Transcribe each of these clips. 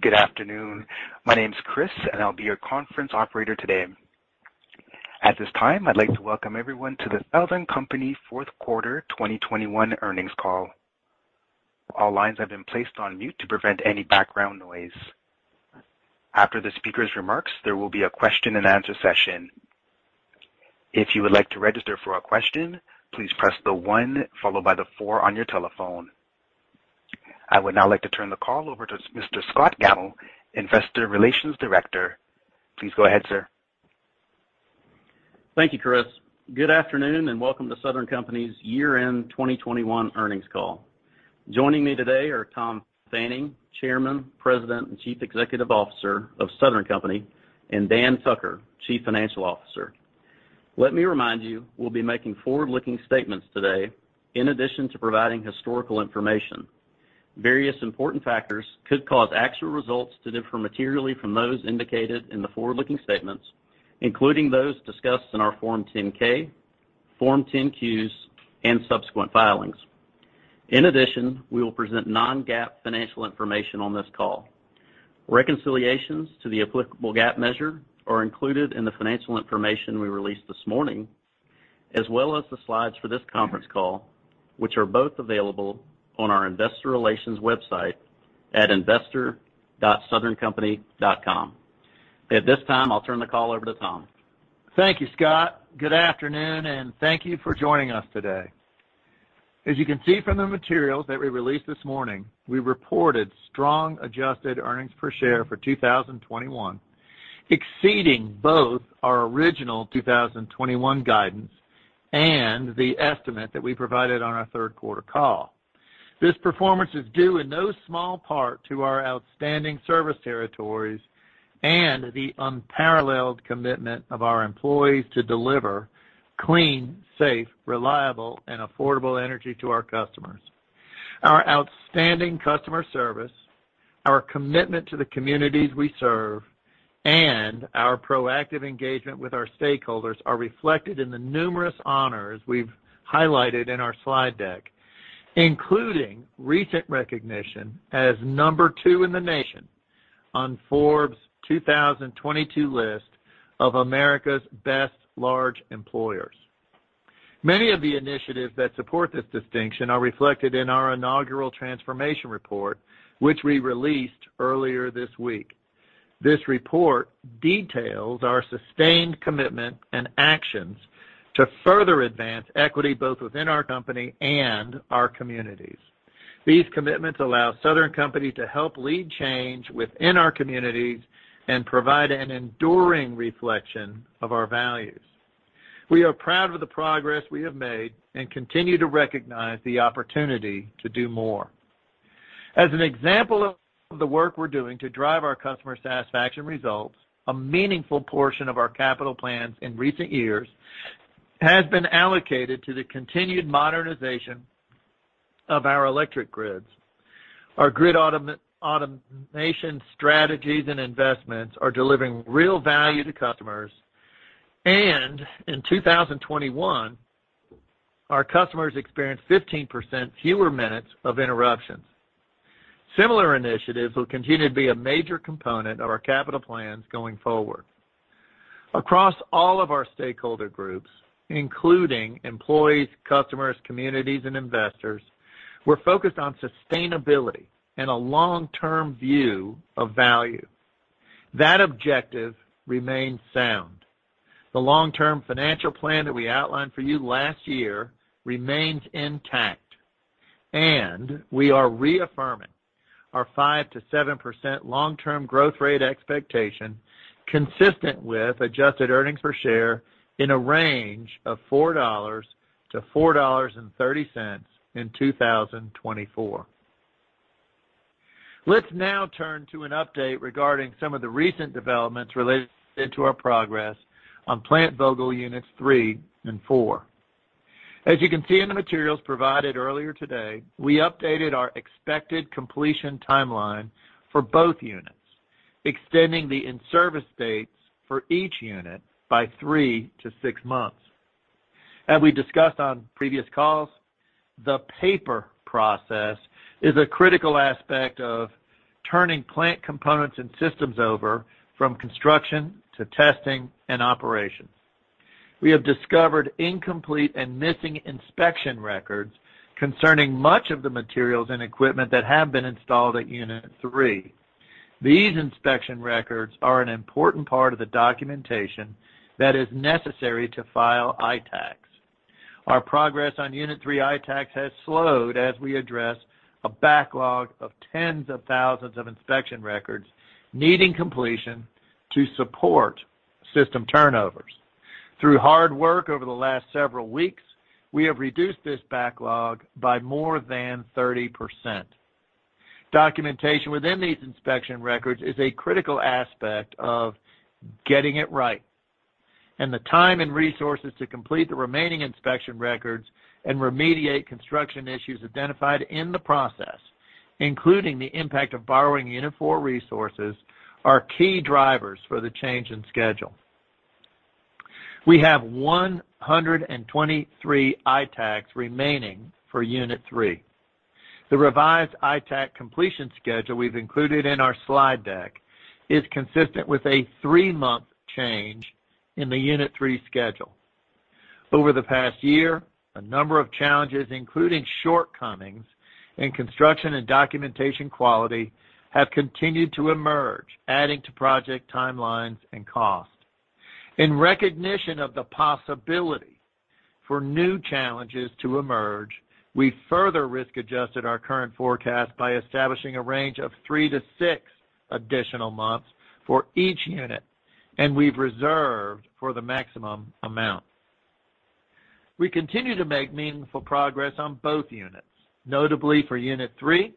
Good afternoon. My name is Chris, and I'll be your conference operator today. At this time, I'd like to welcome everyone to the Southern Company Fourth Quarter 2021 earnings call. All lines have been placed on mute to prevent any background noise. After the speaker's remarks, there will be a question-and-answer session. If you would like to register for a question, please press the one followed by the four on your telephone. I would now like to turn the call over to Mr. Scott Gammill, Investor Relations Director. Please go ahead, sir. Thank you, Chris. Good afternoon, and welcome to Southern Company's year-end 2021 earnings call. Joining me today are Tom Fanning, Chairman, President, and Chief Executive Officer of Southern Company, and Dan Tucker, Chief Financial Officer. Let me remind you, we'll be making forward-looking statements today in addition to providing historical information. Various important factors could cause actual results to differ materially from those indicated in the forward-looking statements, including those discussed in our Form 10-K, Form 10-Qs, and subsequent filings. In addition, we will present non-GAAP financial information on this call. Reconciliations to the applicable GAAP measure are included in the financial information we released this morning, as well as the slides for this conference call, which are both available on our investor relations website at investor.southerncompany.com. At this time, I'll turn the call over to Tom. Thank you, Scott. Good afternoon, and thank you for joining us today. As you can see from the materials that we released this morning, we reported strong adjusted earnings per share for 2021, exceeding both our original 2021 guidance and the estimate that we provided on our third quarter call. This performance is due in no small part to our outstanding service territories and the unparalleled commitment of our employees to deliver clean, safe, reliable, and affordable energy to our customers. Our outstanding customer service, our commitment to the communities we serve, and our proactive engagement with our stakeholders are reflected in the numerous honors we've highlighted in our slide deck, including recent recognition as No. 2 in the nation on Forbes' 2022 list of America's Best Large Employers. Many of the initiatives that support this distinction are reflected in our inaugural transformation report, which we released earlier this week. This report details our sustained commitment and actions to further advance equity both within our company and our communities. These commitments allow Southern Company to help lead change within our communities and provide an enduring reflection of our values. We are proud of the progress we have made and continue to recognize the opportunity to do more. As an example of the work we're doing to drive our customer satisfaction results, a meaningful portion of our capital plans in recent years has been allocated to the continued modernization of our electric grids. Our grid automation strategies and investments are delivering real value to customers. In 2021, our customers experienced 15% fewer minutes of interruptions. Similar initiatives will continue to be a major component of our capital plans going forward. Across all of our stakeholder groups, including employees, customers, communities, and investors, we're focused on sustainability and a long-term view of value. That objective remains sound. The long-term financial plan that we outlined for you last year remains intact, and we are reaffirming our 5%-7% long-term growth rate expectation consistent with adjusted earnings per share in a range of $4-$4.30 in 2024. Let's now turn to an update regarding some of the recent developments related to our progress on Plant Vogtle Units 3 and 4. As you can see in the materials provided earlier today, we updated our expected completion timeline for both units, extending the in-service dates for each unit by three to six months. As we discussed on previous calls, the paper process is a critical aspect of turning plant components and systems over from construction to testing and operations. We have discovered incomplete and missing inspection records concerning much of the materials and equipment that have been installed at Unit 3. These inspection records are an important part of the documentation that is necessary to file ITAAC. Our progress on Unit 3 ITAAC has slowed as we address a backlog of tens of thousands of inspection records needing completion to support system turnovers. Through hard work over the last several weeks, we have reduced this backlog by more than 30%. Documentation within these inspection records is a critical aspect of getting it right, and the time and resources to complete the remaining inspection records and remediate construction issues identified in the process, including the impact of borrowing Unit 4 resources, are key drivers for the change in schedule. We have 123 ITAACs remaining for Unit 3. The revised ITAAC completion schedule we've included in our slide deck is consistent with a three-month change in the Unit 3 schedule. Over the past year, a number of challenges, including shortcomings in construction and documentation quality, have continued to emerge, adding to project timelines and cost. In recognition of the possibility for new challenges to emerge, we further risk-adjusted our current forecast by establishing a range of three to six additional months for each unit, and we've reserved for the maximum amount. We continue to make meaningful progress on both units. Notably, for Unit 3,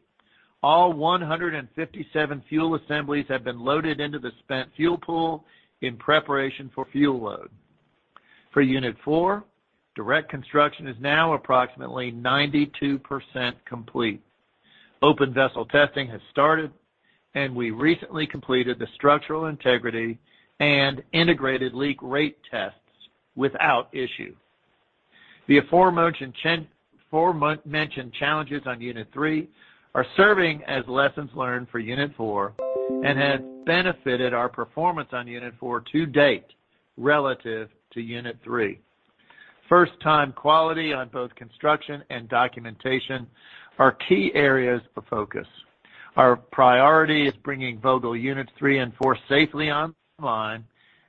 all 157 fuel assemblies have been loaded into the spent fuel pool in preparation for fuel load. For Unit 4, direct construction is now approximately 92% complete. Open vessel testing has started, and we recently completed the structural integrity and integrated leak rate tests without issue. The aforementioned challenges on unit three are serving as lessons learned for Unit 4 and have benefited our performance on Unit 4 to date relative to Unit 3. First-time quality on both construction and documentation are key areas of focus. Our priority is bringing Vogtle Units 3 and 4 safely online,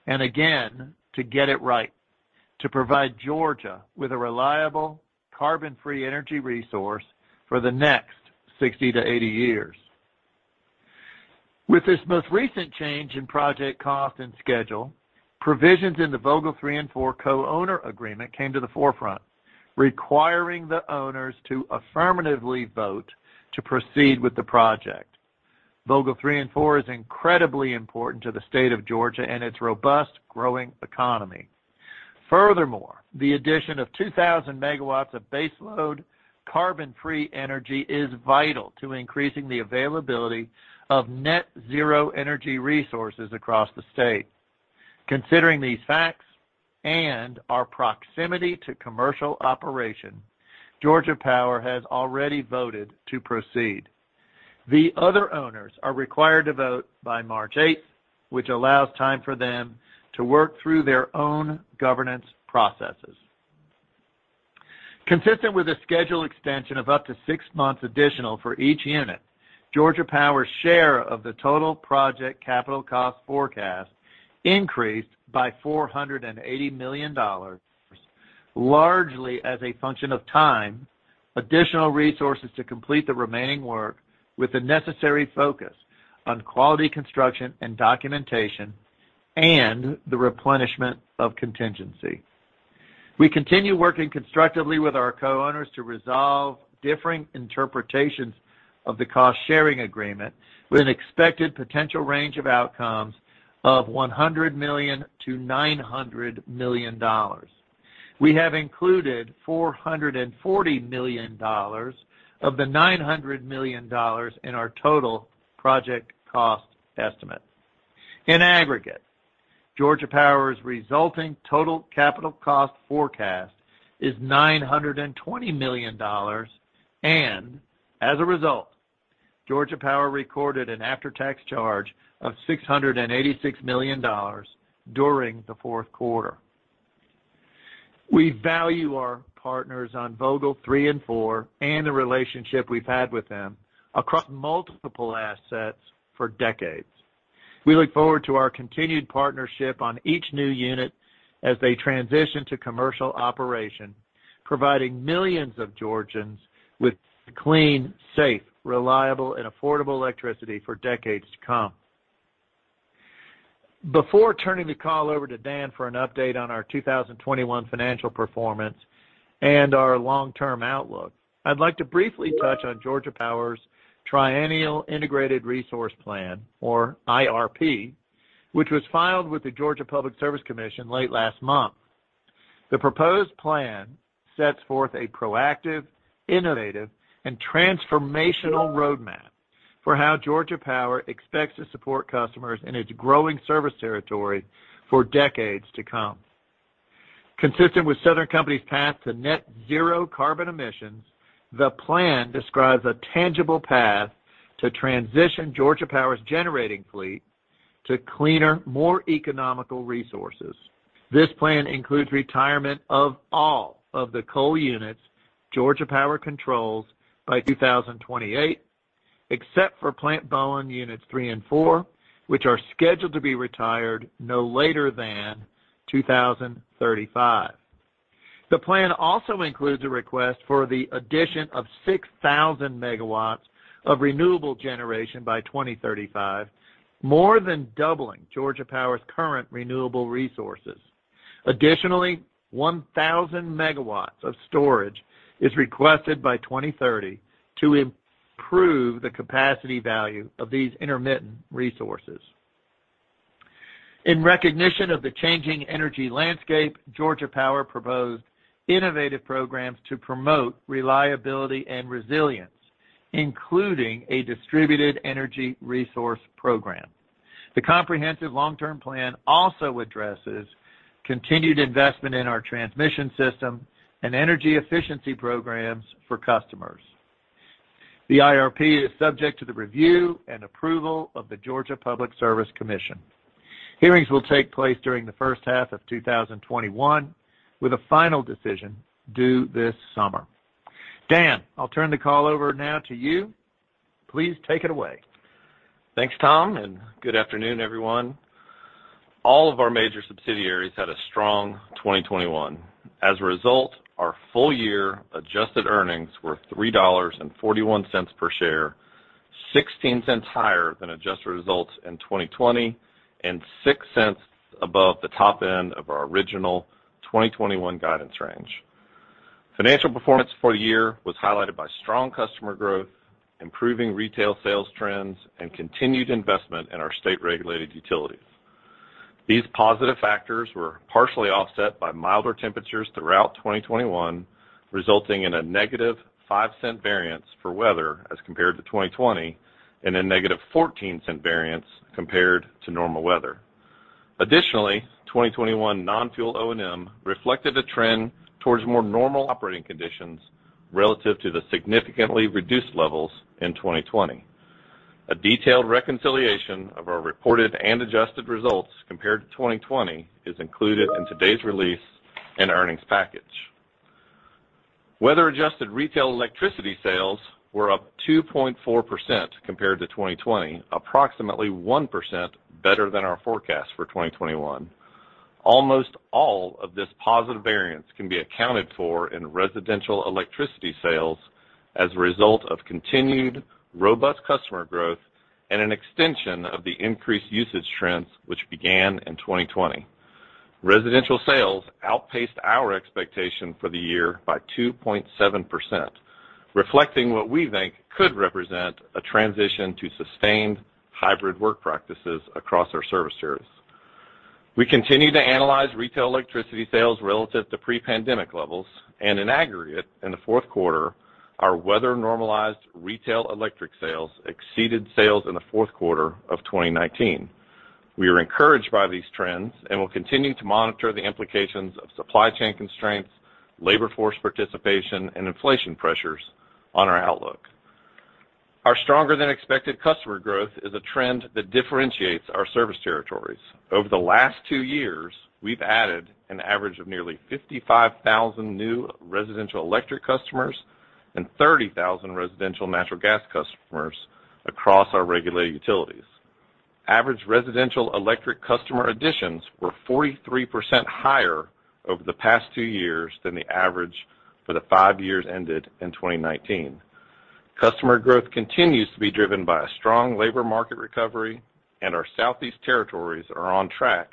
and again, to get it right to provide Georgia with a reliable carbon-free energy resource for the next 60-80 years. With this most recent change in project cost and schedule, provisions in the Vogtle 3 and 4 co-owner agreement came to the forefront, requiring the owners to affirmatively vote to proceed with the project. Vogtle 3 and 4 is incredibly important to the state of Georgia and its robust growing economy. Furthermore, the addition of 2,000 MW of base load carbon free energy is vital to increasing the availability of net zero energy resources across the state. Considering these facts and our proximity to commercial operation, Georgia Power has already voted to proceed. The other owners are required to vote by March 8, which allows time for them to work through their own governance processes. Consistent with a schedule extension of up to six months additional for each unit, Georgia Power's share of the total project capital cost forecast increased by $480 million, largely as a function of time, additional resources to complete the remaining work with the necessary focus on quality construction and documentation, and the replenishment of contingency. We continue working constructively with our co-owners to resolve differing interpretations of the cost-sharing agreement with an expected potential range of outcomes of $100 million-$900 million. We have included $440 million of the $900 million in our total project cost estimate. In aggregate, Georgia Power's resulting total capital cost forecast is $920 million, and as a result, Georgia Power recorded an after-tax charge of $686 million during the fourth quarter. We value our partners on Vogtle 3 and 4 and the relationship we've had with them across multiple assets for decades. We look forward to our continued partnership on each new unit as they transition to commercial operation, providing millions of Georgians with clean, safe, reliable, and affordable electricity for decades to come. Before turning the call over to Dan for an update on our 2021 financial performance and our long-term outlook, I'd like to briefly touch on Georgia Power's Triennial Integrated Resource Plan or IRP, which was filed with the Georgia Public Service Commission late last month. The proposed plan sets forth a proactive, innovative, and transformational roadmap for how Georgia Power expects to support customers in its growing service territory for decades to come. Consistent with Southern Company's path to net zero carbon emissions, the plan describes a tangible path to transition Georgia Power's generating fleet to cleaner, more economical resources. This plan includes retirement of all of the coal units Georgia Power controls by 2028, except for Plant Bowen Units 3 and 4, which are scheduled to be retired no later than 2035. The plan also includes a request for the addition of 6,000 MW of renewable generation by 2035, more than doubling Georgia Power's current renewable resources. Additionally, 1,000 MW of storage is requested by 2030 to improve the capacity value of these intermittent resources. In recognition of the changing energy landscape, Georgia Power proposed innovative programs to promote reliability and resilience, including a distributed energy resource program. The comprehensive long-term plan also addresses continued investment in our transmission system and energy efficiency programs for customers. The IRP is subject to the review and approval of the Georgia Public Service Commission. Hearings will take place during the first half of 2021, with a final decision due this summer. Dan, I'll turn the call over now to you. Please take it away. Thanks, Tom, and good afternoon, everyone. All of our major subsidiaries had a strong 2021. As a result, our full year adjusted earnings were $3.41 per share, $0.16 higher than adjusted results in 2020 and $0.06 above the top end of our original 2021 guidance range. Financial performance for the year was highlighted by strong customer growth, improving retail sales trends, and continued investment in our state-regulated utilities. These positive factors were partially offset by milder temperatures throughout 2021, resulting in a -$0.05 cent variance for weather as compared to 2020 and a -$0.14 cent variance compared to normal weather. Additionally, 2021 non-fuel O&M reflected a trend towards more normal operating conditions relative to the significantly reduced levels in 2020. A detailed reconciliation of our reported and adjusted results compared to 2020 is included in today's release and earnings package. Weather-adjusted retail electricity sales were up 2.4% compared to 2020, approximately 1% better than our forecast for 2021. Almost all of this positive variance can be accounted for in residential electricity sales as a result of continued robust customer growth and an extension of the increased usage trends which began in 2020. Residential sales outpaced our expectation for the year by 2.7%, reflecting what we think could represent a transition to sustained hybrid work practices across our service areas. We continue to analyze retail electricity sales relative to pre-pandemic levels and in aggregate in the fourth quarter, our weather-normalized retail electric sales exceeded sales in the fourth quarter of 2019. We are encouraged by these trends and will continue to monitor the implications of supply chain constraints, labor force participation, and inflation pressures on our outlook. Our stronger than expected customer growth is a trend that differentiates our service territories. Over the last two years, we've added an average of nearly 55,000 new residential electric customers and 30,000 residential natural gas customers across our regulated utilities. Average residential electric customer additions were 43% higher over the past two years than the average for the five years ended in 2019. Customer growth continues to be driven by a strong labor market recovery, and our Southeast territories are on track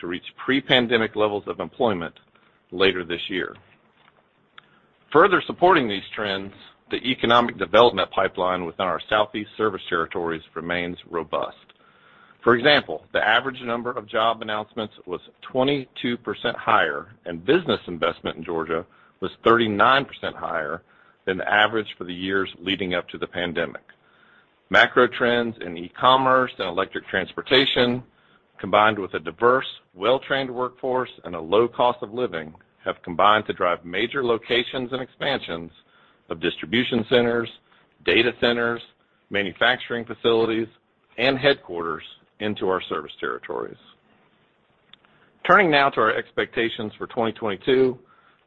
to reach pre-pandemic levels of employment later this year. Further supporting these trends, the economic development pipeline within our Southeast service territories remains robust. For example, the average number of job announcements was 22% higher, and business investment in Georgia was 39% higher than the average for the years leading up to the pandemic. Macro trends in e-commerce and electric transportation, combined with a diverse, well-trained workforce and a low cost of living, have combined to drive major locations and expansions of distribution centers, data centers, manufacturing facilities, and headquarters into our service territories. Turning now to our expectations for 2022,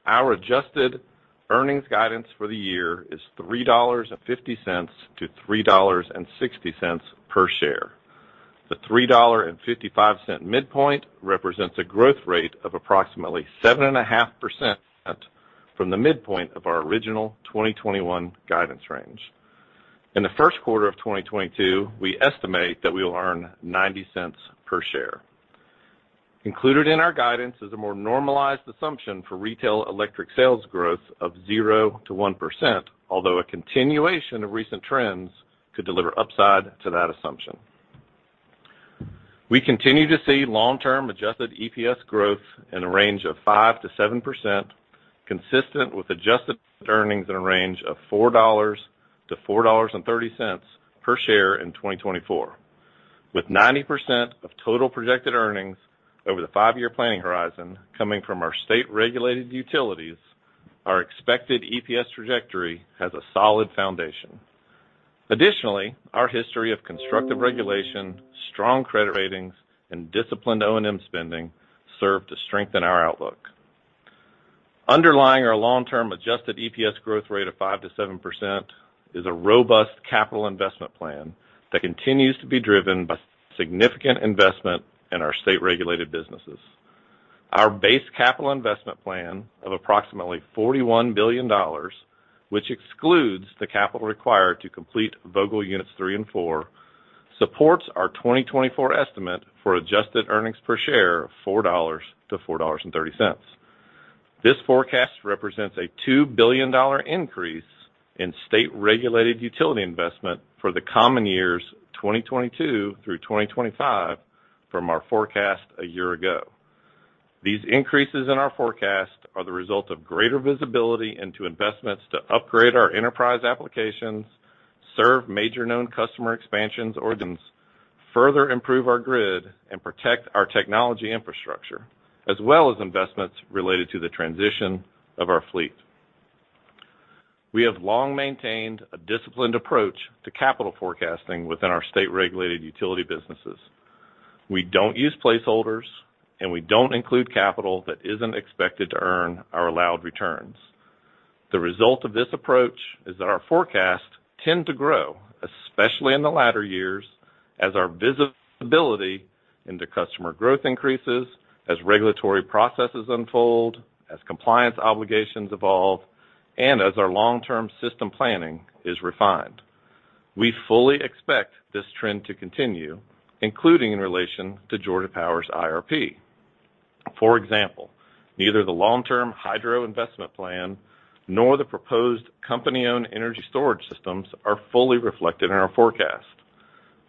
our adjusted earnings guidance for the year is $3.50-$3.60 per share. The $3.55 midpoint represents a growth rate of approximately 7.5% from the midpoint of our original 2021 guidance range. In the first quarter of 2022, we estimate that we will earn $0.90 per share. Included in our guidance is a more normalized assumption for retail electric sales growth of 0%-1%, although a continuation of recent trends could deliver upside to that assumption. We continue to see long-term adjusted EPS growth in a range of 5%-7%, consistent with adjusted earnings in a range of $4-$4.30 per share in 2024. With 90% of total projected earnings over the five-year planning horizon coming from our state-regulated utilities, our expected EPS trajectory has a solid foundation. Additionally, our history of constructive regulation, strong credit ratings, and disciplined O&M spending serve to strengthen our outlook. Underlying our long-term adjusted EPS growth rate of 5%-7% is a robust capital investment plan that continues to be driven by significant investment in our state-regulated businesses. Our base capital investment plan of approximately $41 billion, which excludes the capital required to complete Vogtle Units 3 and 4, supports our 2024 estimate for adjusted earnings per share of $4-$4.30. This forecast represents a $2 billion increase in state-regulated utility investment for the coming years 2022 through 2025 from our forecast a year ago. These increases in our forecast are the result of greater visibility into investments to upgrade our enterprise applications, serve major known customer expansions or further improve our grid and protect our technology infrastructure, as well as investments related to the transition of our fleet. We have long maintained a disciplined approach to capital forecasting within our state-regulated utility businesses. We don't use placeholders, and we don't include capital that isn't expected to earn our allowed returns. The result of this approach is that our forecasts tend to grow, especially in the latter years, as our visibility into customer growth increases, as regulatory processes unfold, as compliance obligations evolve, and as our long-term system planning is refined. We fully expect this trend to continue, including in relation to Georgia Power's IRP. For example, neither the long-term hydro investment plan nor the proposed company-owned energy storage systems are fully reflected in our forecast.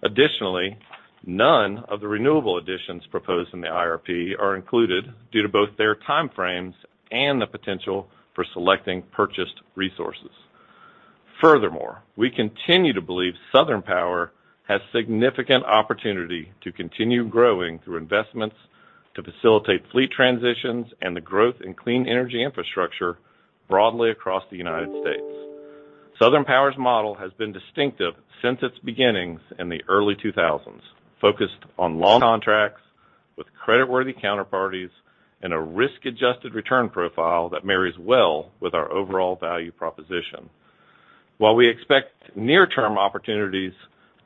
Additionally, none of the renewable additions proposed in the IRP are included due to both their time frames and the potential for selecting purchased resources. Furthermore, we continue to believe Southern Power has significant opportunity to continue growing through investments to facilitate fleet transitions and the growth in clean energy infrastructure broadly across the United States. Southern Power's model has been distinctive since its beginnings in the early 2000s, focused on long contracts with creditworthy counterparties and a risk-adjusted return profile that marries well with our overall value proposition. While we expect near-term opportunities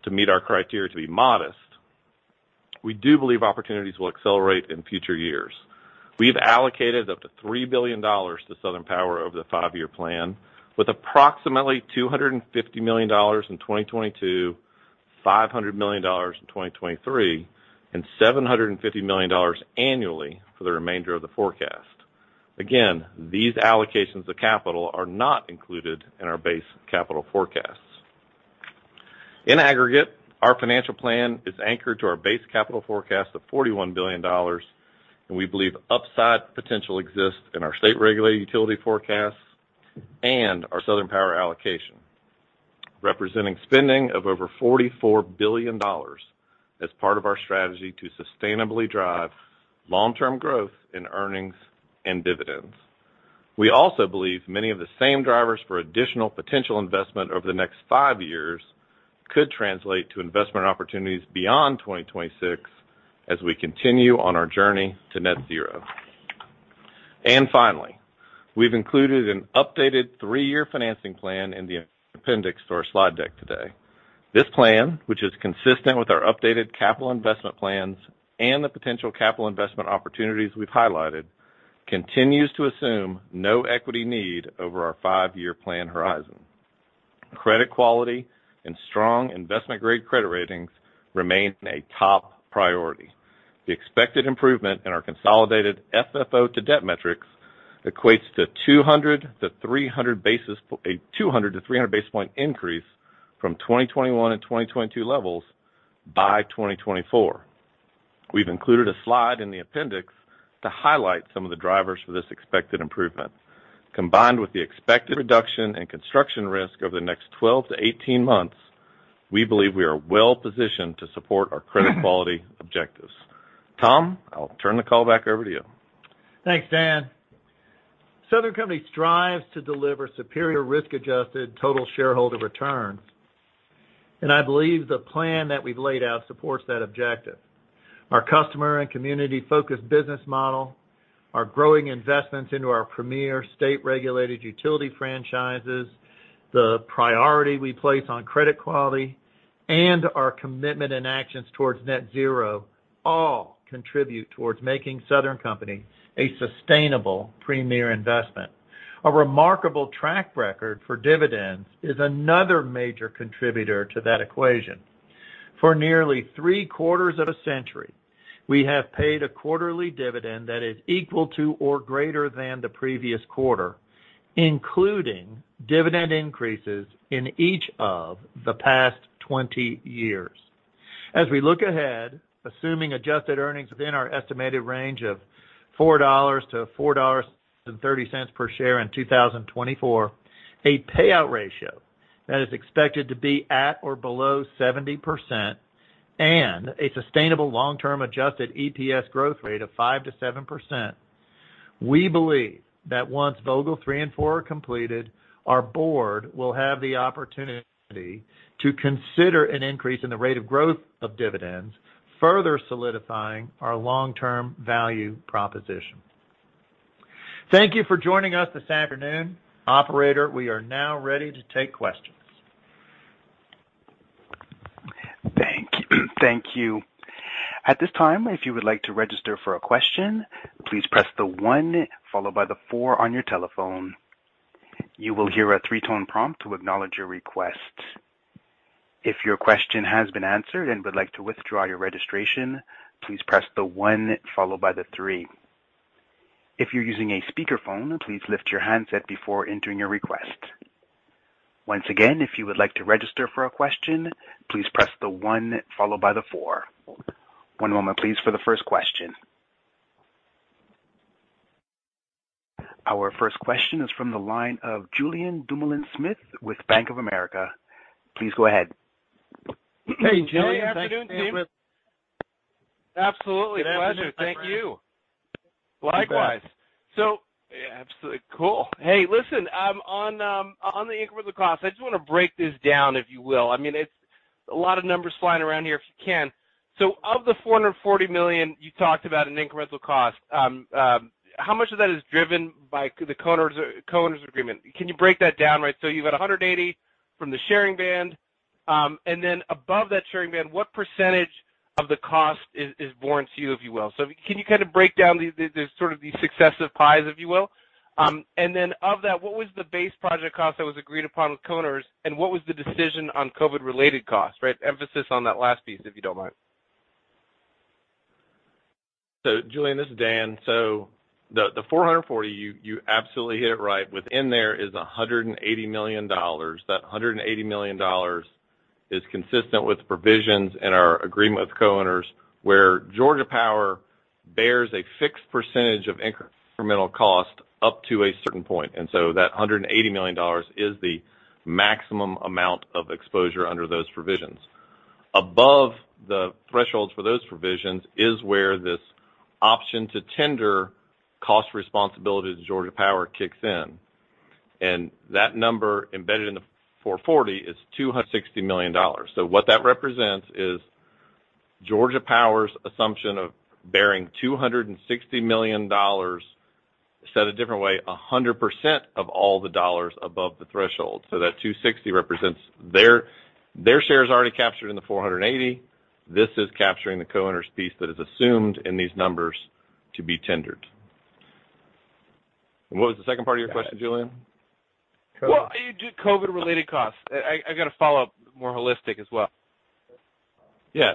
to meet our criteria to be modest, we do believe opportunities will accelerate in future years. We've allocated up to $3 billion to Southern Power over the five-year plan, with approximately $250 million in 2022, $500 million in 2023, and $750 million annually for the remainder of the forecast. Again, these allocations of capital are not included in our base capital forecasts. In aggregate, our financial plan is anchored to our base capital forecast of $41 billion, and we believe upside potential exists in our state-regulated utility forecasts and our Southern Power allocation, representing spending of over $44 billion as part of our strategy to sustainably drive long-term growth in earnings and dividends. We also believe many of the same drivers for additional potential investment over the next 5 years could translate to investment opportunities beyond 2026 as we continue on our journey to net zero. Finally, we've included an updated 3-year financing plan in the appendix to our slide deck today. This plan, which is consistent with our updated capital investment plans and the potential capital investment opportunities we've highlighted, continues to assume no equity need over our 5-year plan horizon. Credit quality and strong investment-grade credit ratings remain a top priority. The expected improvement in our consolidated FFO to debt metrics equates to a 200-300 basis point increase from 2021 and 2022 levels by 2024. We've included a slide in the appendix to highlight some of the drivers for this expected improvement. Combined with the expected reduction in construction risk over the next 12-18 months, we believe we are well-positioned to support our credit quality objectives. Tom, I'll turn the call back over to you. Thanks, Dan. Southern Company strives to deliver superior risk-adjusted total shareholder returns, and I believe the plan that we've laid out supports that objective. Our customer and community-focused business model, our growing investments into our premier state-regulated utility franchises, the priority we place on credit quality, and our commitment and actions towards net zero all contribute towards making Southern Company a sustainable premier investment. A remarkable track record for dividends is another major contributor to that equation. For nearly three-quarters of a century, we have paid a quarterly dividend that is equal to or greater than the previous quarter, including dividend increases in each of the past 20 years. As we look ahead, assuming adjusted earnings within our estimated range of $4-$4.30 per share in 2024, a payout ratio that is expected to be at or below 70% and a sustainable long-term adjusted EPS growth rate of 5%-7%, we believe that once Vogtle 3 and 4 are completed, our board will have the opportunity to consider an increase in the rate of growth of dividends, further solidifying our long-term value proposition. Thank you for joining us this afternoon. Operator, we are now ready to take questions. Our first question is from the line of Julien Dumoulin-Smith with Bank of America. Please go ahead. Hey, Julien. Good afternoon, team. Absolutely. Pleasure. Thank you. Likewise. Absolutely. Cool. Hey, listen, on the incremental cost, I just want to break this down, if you will. I mean, it's a lot of numbers flying around here, if you can. Of the $440 million you talked about in incremental cost, how much of that is driven by the co-owners agreement? Can you break that down? Right. You've got $180 million from the sharing band, and then above that sharing band, what percentage of the cost is borne to you, if you will. Can you kind of break down the sort of the successive pies, if you will? Then of that, what was the base project cost that was agreed upon with co-owners, and what was the decision on COVID-related costs? Right. Emphasis on that last piece, if you don't mind. Julien, this is Dan Tucker. The 440 you absolutely hit it right. Within that is $180 million. That $180 million is consistent with the provisions in our agreement with co-owners, where Georgia Power bears a fixed percentage of incremental cost up to a certain point. That $180 million is the maximum amount of exposure under those provisions. Above the thresholds for those provisions is where this option to tender cost responsibility to Georgia Power kicks in. That number embedded in the 440 is $260 million. What that represents is Georgia Power's assumption of bearing $260 million, said a different way, 100% of all the dollars above the threshold. That 260 represents their shares already captured in the 480. This is capturing the co-owner's piece that is assumed in these numbers to be tendered. What was the second part of your question, Julien? Well, COVID-related costs. I got a follow-up more holistic as well. Yeah.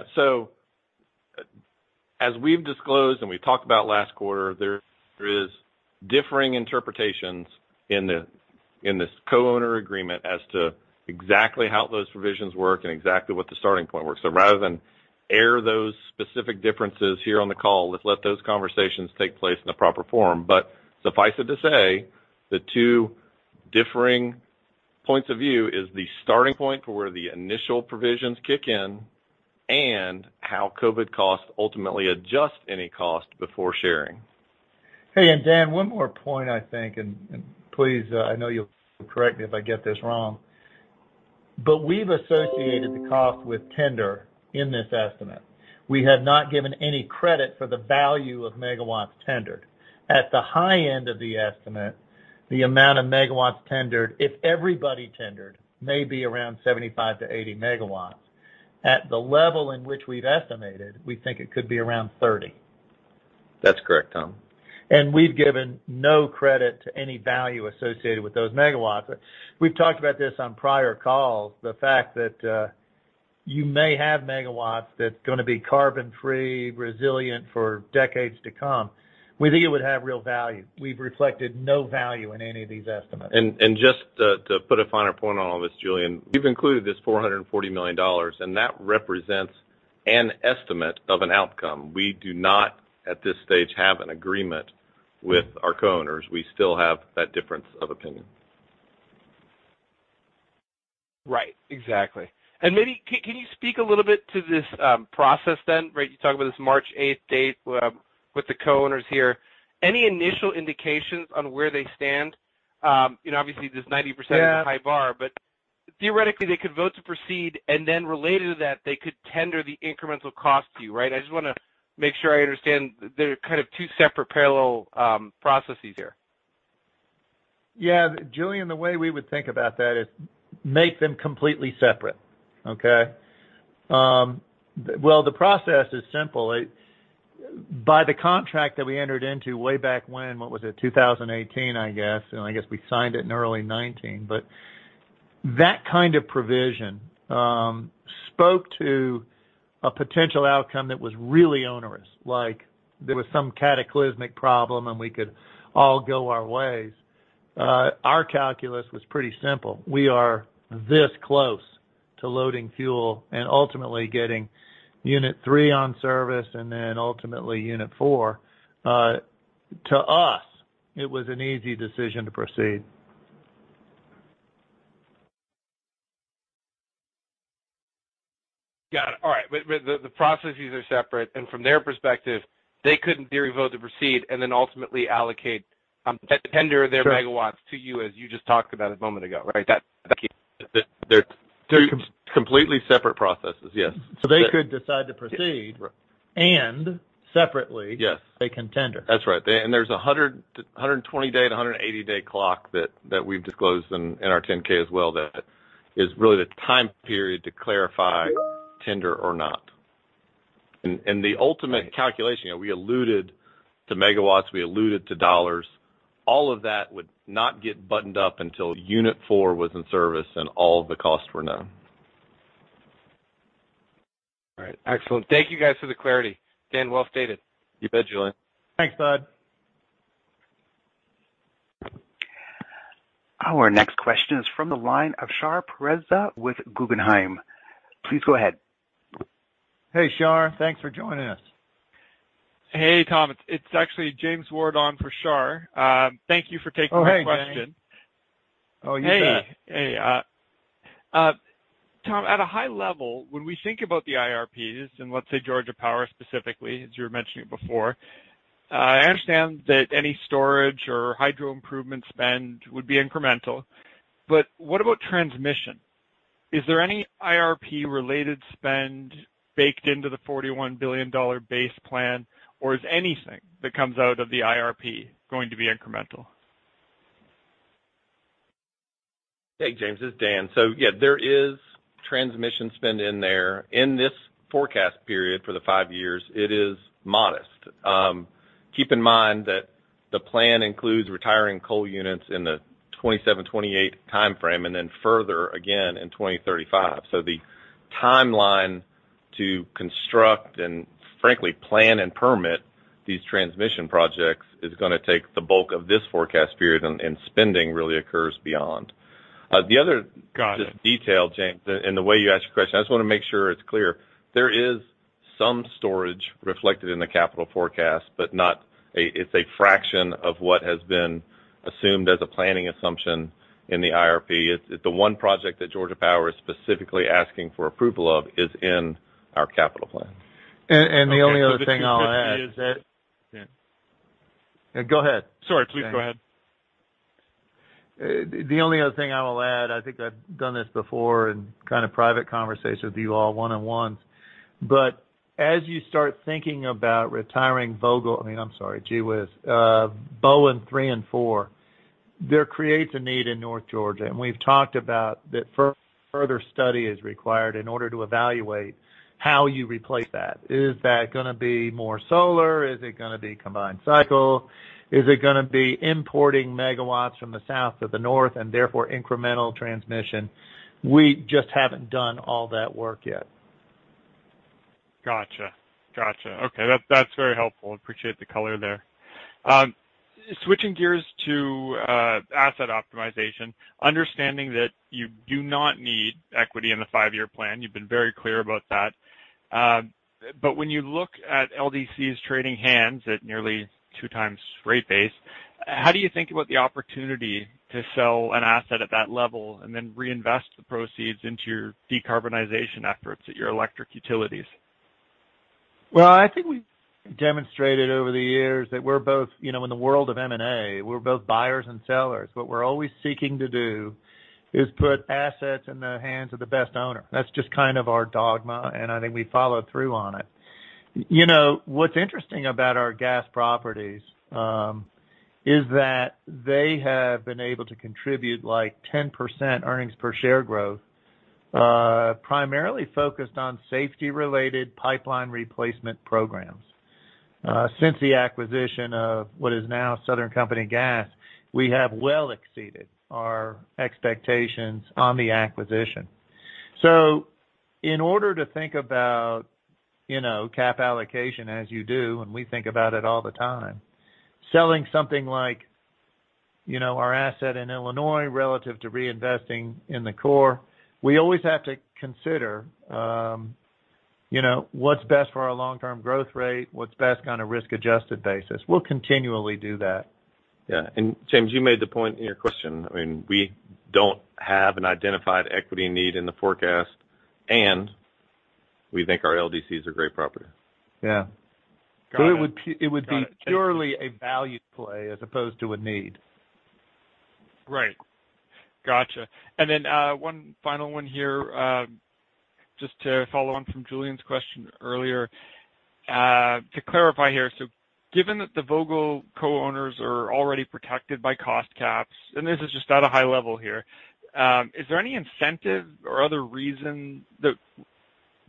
As we've disclosed and we've talked about last quarter, there is differing interpretations in this co-owner agreement as to exactly how those provisions work and exactly what the starting point works. Rather than air those specific differences here on the call, let's let those conversations take place in the proper forum. Suffice it to say, the two differing points of view is the starting point for where the initial provisions kick in and how COVID costs ultimately adjust any cost before sharing. Hey, Dan, one more point I think, and please, I know you'll correct me if I get this wrong, but we've associated the cost with tender in this estimate. We have not given any credit for the value of megawatts tendered. At the high end of the estimate, the amount of megawatts tendered, if everybody tendered, may be around 75 MW-80 MW. At the level in which we've estimated, we think it could be around 30. That's correct, Tom. We've given no credit to any value associated with those megawatts. We've talked about this on prior calls. The fact that you may have megawatts that's going to be carbon free, resilient for decades to come. We think it would have real value. We've reflected no value in any of these estimates. Just to put a finer point on all this, Julien, we've included this $440 million, and that represents an estimate of an outcome. We do not, at this stage, have an agreement with our co-owners. We still have that difference of opinion. Right. Exactly. Can you speak a little bit to this process then, right? You talk about this March 8th date with the co-owners here. Any initial indications on where they stand? You know, obviously this 90%- Yeah Is a high bar, but theoretically, they could vote to proceed. Then related to that, they could tender the incremental cost to you, right? I just wanna make sure I understand there are kind of two separate parallel processes here. Yeah. Julien, the way we would think about that is make them completely separate. Okay? Well, the process is simple. By the contract that we entered into way back when, what was it, 2018, I guess, and I guess we signed it in early 2019, but that kind of provision spoke to a potential outcome that was really onerous. Like there was some cataclysmic problem, and we could all go our ways. Our calculus was pretty simple. We are this close to loading fuel and ultimately getting Unit 3 on service and then ultimately Unit 4. To us, it was an easy decision to proceed. Got it. All right. The processes are separate, and from their perspective, they could, in theory, vote to proceed and then ultimately allocate and tender their megawatts to you as you just talked about a moment ago, right? They're two completely separate processes, yes. They could decide to proceed. Right. Separately. Yes They can tender. That's right. There's a 100- to 120-day to 180-day clock that we've disclosed in our 10-K as well. That is really the time period to clarify tender or not. The ultimate calculation, we alluded to megawatts, we alluded to dollars. All of that would not get buttoned up until unit four was in service and all the costs were known. Excellent. Thank you guys for the clarity. Dan, well stated. You bet, Julien. Thanks, Bud. Our next question is from the line of Shar Pourreza with Guggenheim. Please go ahead. Hey, Shar. Thanks for joining us. Hey, Tom. It's actually James Ward on for Shar. Thank you for taking my question. Oh, hey, James. Oh, you bet. Tom, at a high level, when we think about the IRPs and let's say Georgia Power specifically, as you were mentioning before, I understand that any storage or hydro improvement spend would be incremental, but what about transmission? Is there any IRP related spend baked into the $41 billion base plan? Or is anything that comes out of the IRP going to be incremental? Hey, James. This is Dan. Yeah, there is transmission spend in there. In this forecast period for the five years, it is modest. Keep in mind that the plan includes retiring coal units in the 2027-2028 timeframe and then further again in 2035. The timeline to construct and frankly plan and permit these transmission projects is gonna take the bulk of this forecast period and spending really occurs beyond. The other- Got it. Just to detail, James, in the way you asked your question, I just wanna make sure it's clear there is some storage reflected in the capital forecast, but it's a fraction of what has been assumed as a planning assumption in the IRP. It's the one project that Georgia Power is specifically asking for approval of is in our capital plan. The only other thing I'll add. Okay. The 250 is. Yeah. Go ahead. Sorry. Please go ahead. The only other thing I will add, I think I've done this before in kind of private conversations with you all one-on-one, but as you start thinking about retiring Vogtle, I mean, I'm sorry, Bowen 3 and 4, there creates a need in North Georgia, and we've talked about that further study is required in order to evaluate how you replace that. Is that gonna be more solar? Is it gonna be combined cycle? Is it gonna be importing megawatts from the south to the north and therefore incremental transmission? We just haven't done all that work yet. Okay. That's very helpful. Appreciate the color there. Switching gears to asset optimization. Understanding that you do not need equity in the five-year plan, you've been very clear about that. When you look at LDCs trading hands at nearly 2x rate base, how do you think about the opportunity to sell an asset at that level and then reinvest the proceeds into your decarbonization efforts at your electric utilities? Well, I think we've demonstrated over the years that we're both, you know, in the world of M&A, we're both buyers and sellers. What we're always seeking to do is put assets in the hands of the best owner. That's just kind of our dogma, and I think we follow through on it. You know, what's interesting about our gas properties is that they have been able to contribute, like, 10% earnings per share growth, primarily focused on safety-related pipeline replacement programs. Since the acquisition of what is now Southern Company Gas, we have well exceeded our expectations on the acquisition. In order to think about, you know, cap allocation as you do, and we think about it all the time, selling something like, you know, our asset in Illinois relative to reinvesting in the core, we always have to consider, you know, what's best for our long-term growth rate, what's best on a risk-adjusted basis. We'll continually do that. Yeah. James, you made the point in your question. I mean, we don't have an identified equity need in the forecast, and we think our LDCs are great property. Yeah. Got it. It would be purely a value play as opposed to a need. Right. Gotcha. Then one final one here, just to follow on from Julian's question earlier. To clarify here, given that the Vogtle co-owners are already protected by cost caps, and this is just at a high level here, is there any incentive or other reason that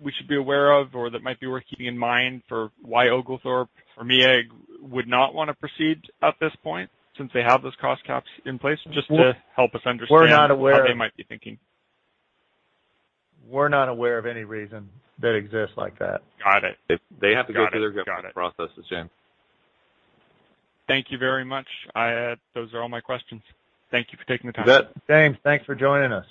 we should be aware of or that might be worth keeping in mind for why Oglethorpe or MEAG would not wanna proceed at this point since they have those cost caps in place? Just to help us understand. We're not aware. How they might be thinking. We're not aware of any reason that exists like that. Got it. They have to go through their government processes, James. Thank you very much. Those are all my questions. Thank you for taking the time. You bet. James, thanks for joining us.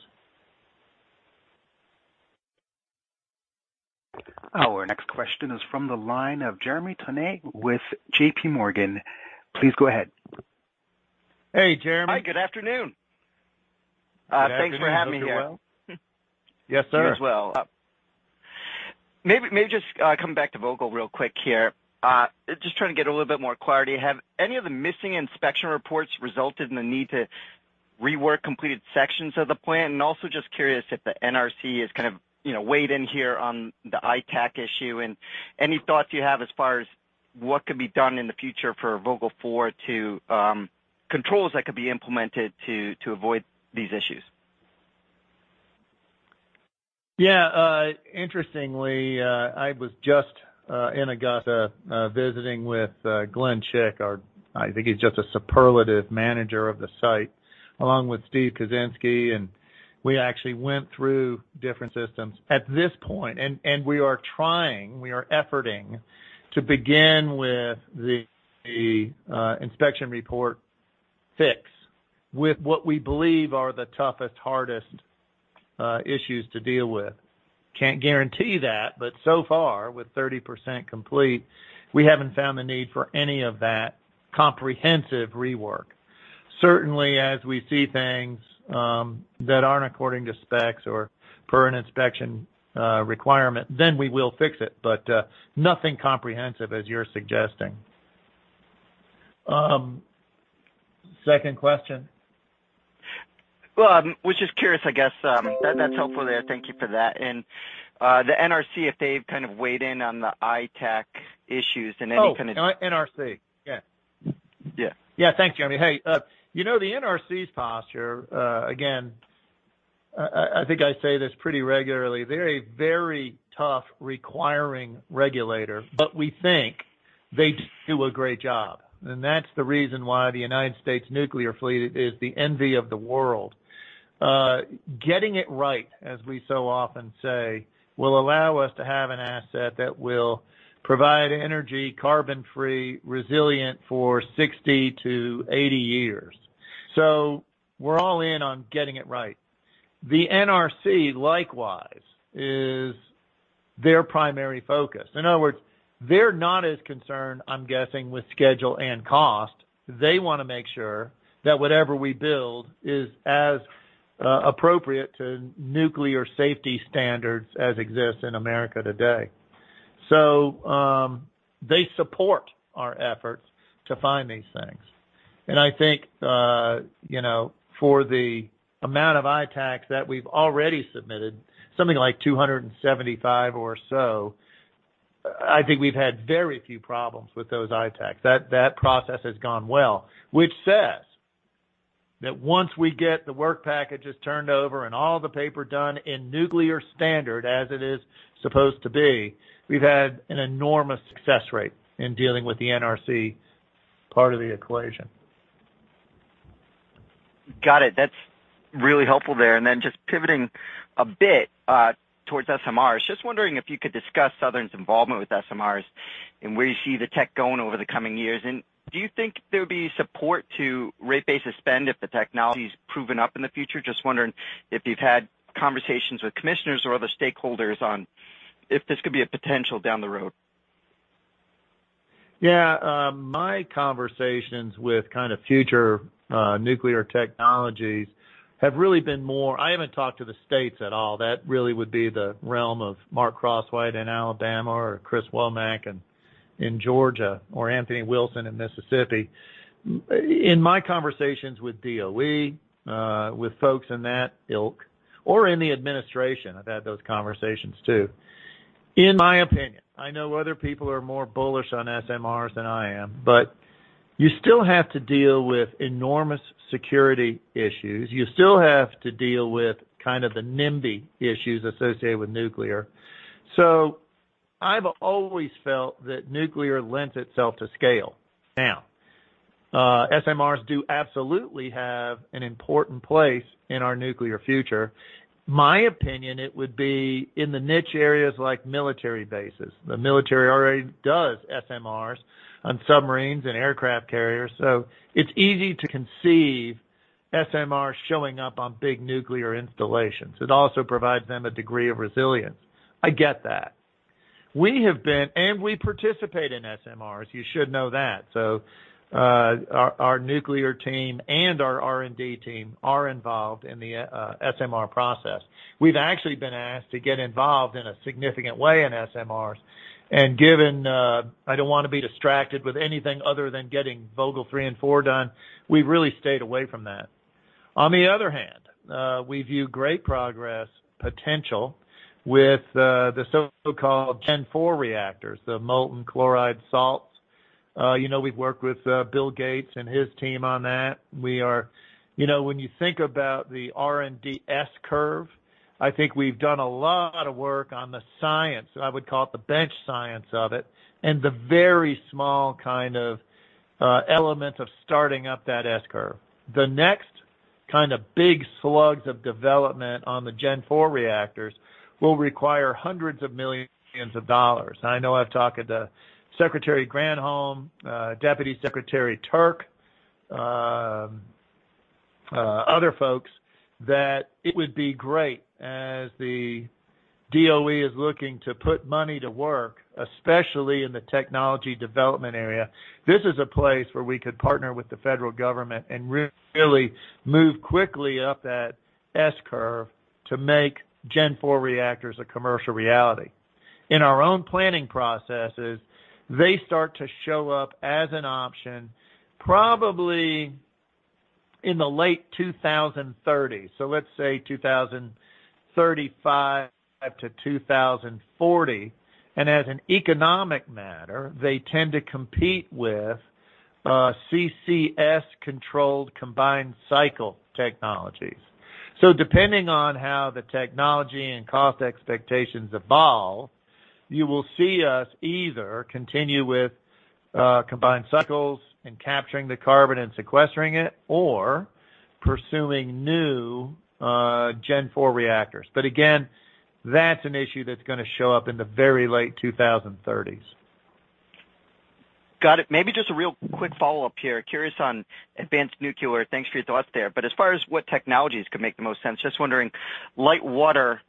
Our next question is from the line of Jeremy Tonet with JPMorgan. Please go ahead. Hey, Jeremy. Hi, good afternoon. Good afternoon. I hope you're well. Thanks for having me here. Yes, sir. Well, maybe just coming back to Vogtle real quick here. Just trying to get a little bit more clarity. Have any of the missing inspection reports resulted in the need to rework completed sections of the plant? And also just curious if the NRC has kind of, you know, weighed in here on the ITAAC issue. And any thoughts you have as far as what could be done in the future for Vogtle 4 to controls that could be implemented to avoid these issues? Yeah. Interestingly, I was just in Augusta, visiting with Glen Chick. I think he's just a superlative manager of the site, along with Stephen Kuczynski, and we actually went through different systems. At this point, and we are efforting to begin with the inspection report fix with what we believe are the toughest, hardest issues to deal with. Can't guarantee that, but so far, with 30% complete, we haven't found the need for any of that comprehensive rework. Certainly, as we see things that aren't according to specs or per an inspection requirement, then we will fix it. Nothing comprehensive as you're suggesting. Second question. Well, was just curious, I guess, that's helpful there. Thank you for that. The NRC, if they've kind of weighed in on the ITAAC issues in any kind of- Oh, NRC. Yeah. Yeah. Yeah. Thanks, Jeremy. Hey, you know, the NRC's posture, again, I think I say this pretty regularly, they're a very tough requiring regulator, but we think they do a great job. That's the reason why the United States nuclear fleet is the envy of the world. Getting it right, as we so often say, will allow us to have an asset that will provide energy, carbon-free, resilient for 60-80 years. We're all in on getting it right. The NRC, likewise, is their primary focus. In other words, they're not as concerned, I'm guessing, with schedule and cost. They wanna make sure that whatever we build is as appropriate to nuclear safety standards as exists in America today. They support our efforts to find these things. I think, for the amount of ITAACs that we've already submitted, something like 275 or so, I think we've had very few problems with those ITAACs. That process has gone well, which says that once we get the work packages turned over and all the paper done in nuclear standard as it is supposed to be, we've had an enormous success rate in dealing with the NRC part of the equation. Got it. That's really helpful there. Just pivoting a bit, towards SMRs. Just wondering if you could discuss Southern's involvement with SMRs and where you see the tech going over the coming years. Do you think there'll be support to rate base suspension if the technology's proven up in the future? Just wondering if you've had conversations with commissioners or other stakeholders on if this could be a potential down the road. Yeah. My conversations with kind of future nuclear technologies have really been more. I haven't talked to the states at all. That really would be the realm of Mark Crosswhite in Alabama or Chris Womack in Georgia or Anthony Wilson in Mississippi. In my conversations with DOE, with folks in that ilk or in the administration, I've had those conversations too. In my opinion, I know other people are more bullish on SMRs than I am, but you still have to deal with enormous security issues. You still have to deal with kind of the NIMBY issues associated with nuclear. I've always felt that nuclear lends itself to scale. Now, SMRs do absolutely have an important place in our nuclear future. My opinion, it would be in the niche areas like military bases. The military already does SMRs on submarines and aircraft carriers, so it's easy to conceive SMRs showing up on big nuclear installations. It also provides them a degree of resilience. I get that. We participate in SMRs. You should know that. Our nuclear team and our R&D team are involved in the SMR process. We've actually been asked to get involved in a significant way in SMRs, and given I don't wanna be distracted with anything other than getting Vogtle 3 and 4 done, we've really stayed away from that. On the other hand, we view great progress potential with the so-called Generation IV reactors, the molten chloride salts. You know, we've worked with Bill Gates and his team on that. You know, when you think about the R&D S-curve, I think we've done a lot of work on the science. I would call it the bench science of it, and the very small kind of element of starting up that S-curve. The next kind of big slugs of development on the Generation IV reactors will require hundreds of millions of dollars. I know I've talked to Secretary Granholm, Deputy Secretary Turk, other folks that it would be great as the DOE is looking to put money to work, especially in the technology development area. This is a place where we could partner with the federal government and really move quickly up that S-curve to make Generation IV reactors a commercial reality. In our own planning processes, they start to show up as an option probably in the late 2030s. Let's say 2035 to 2040. As an economic matter, they tend to compete with CCS controlled combined cycle technologies. Depending on how the technology and cost expectations evolve, you will see us either continue with combined cycles and capturing the carbon and sequestering it or pursuing new Generation IV reactors. Again, that's an issue that's gonna show up in the very late 2030s. Got it. Maybe just a real quick follow-up here. Curious on advanced nuclear. Thanks for your thoughts there. But as far as what technologies could make the most sense, just wondering, light water,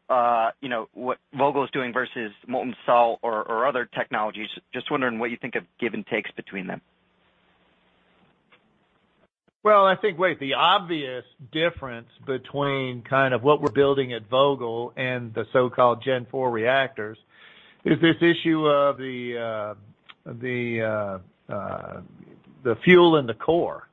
you know, what Vogtle is doing versus molten salt or other technologies. Just wondering what you think of give and takes between them. Well, I think the obvious difference between kind of what we're building at Vogtle and the so-called Gen IV reactors is this issue of the fuel and the core.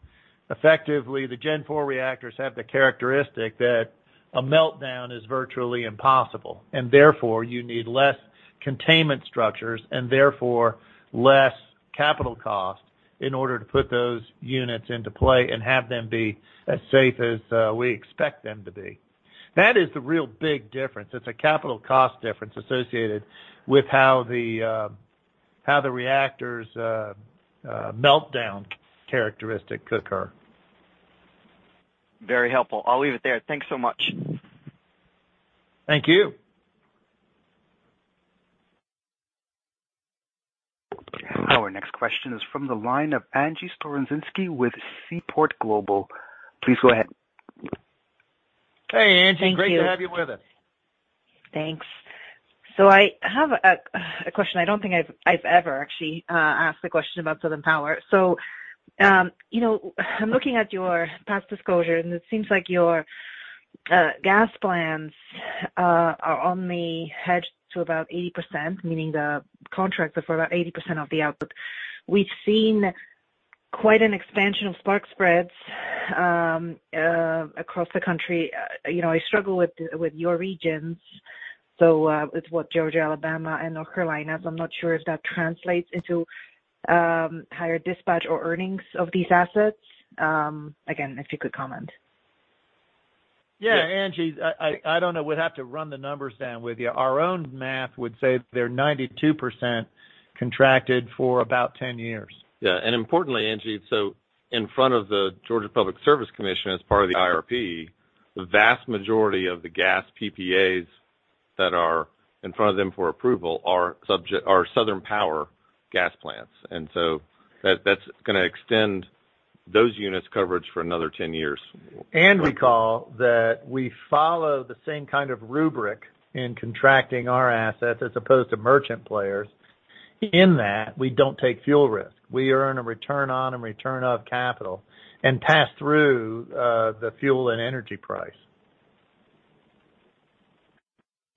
Effectively, the Gen IV reactors have the characteristic that a meltdown is virtually impossible, and therefore you need less containment structures and therefore less capital costs in order to put those units into play and have them be as safe as we expect them to be. That is the real big difference. It's a capital cost difference associated with how the reactor's meltdown characteristic could occur. Very helpful. I'll leave it there. Thanks so much. Thank you. Our next question is from the line of Angie Storozynski with Seaport Global. Please go ahead. Hey, Angie. Great to have you with us. Thanks. I have a question I don't think I've ever actually asked a question about Southern Power. You know, I'm looking at your past disclosure, and it seems like your gas plants are only hedged to about 80%, meaning the contracts are for about 80% of the output. We've seen quite an expansion of spark spreads across the country. You know, I struggle with your regions, with what Georgia, Alabama, and North Carolina. I'm not sure if that translates into higher dispatch or earnings of these assets. Again, if you could comment. Yeah. Angie, I don't know. We'd have to run the numbers down with you. Our own math would say they're 92% contracted for about 10 years. Yeah. Importantly, Angie, so in front of the Georgia Public Service Commission, as part of the IRP, the vast majority of the gas PPAs that are in front of them for approval are Southern Power gas plants, and so that's gonna extend those units' coverage for another 10 years. Recall that we follow the same kind of rubric in contracting our assets as opposed to merchant players in that we don't take fuel risk. We earn a return on and return of capital and pass through the fuel and energy price.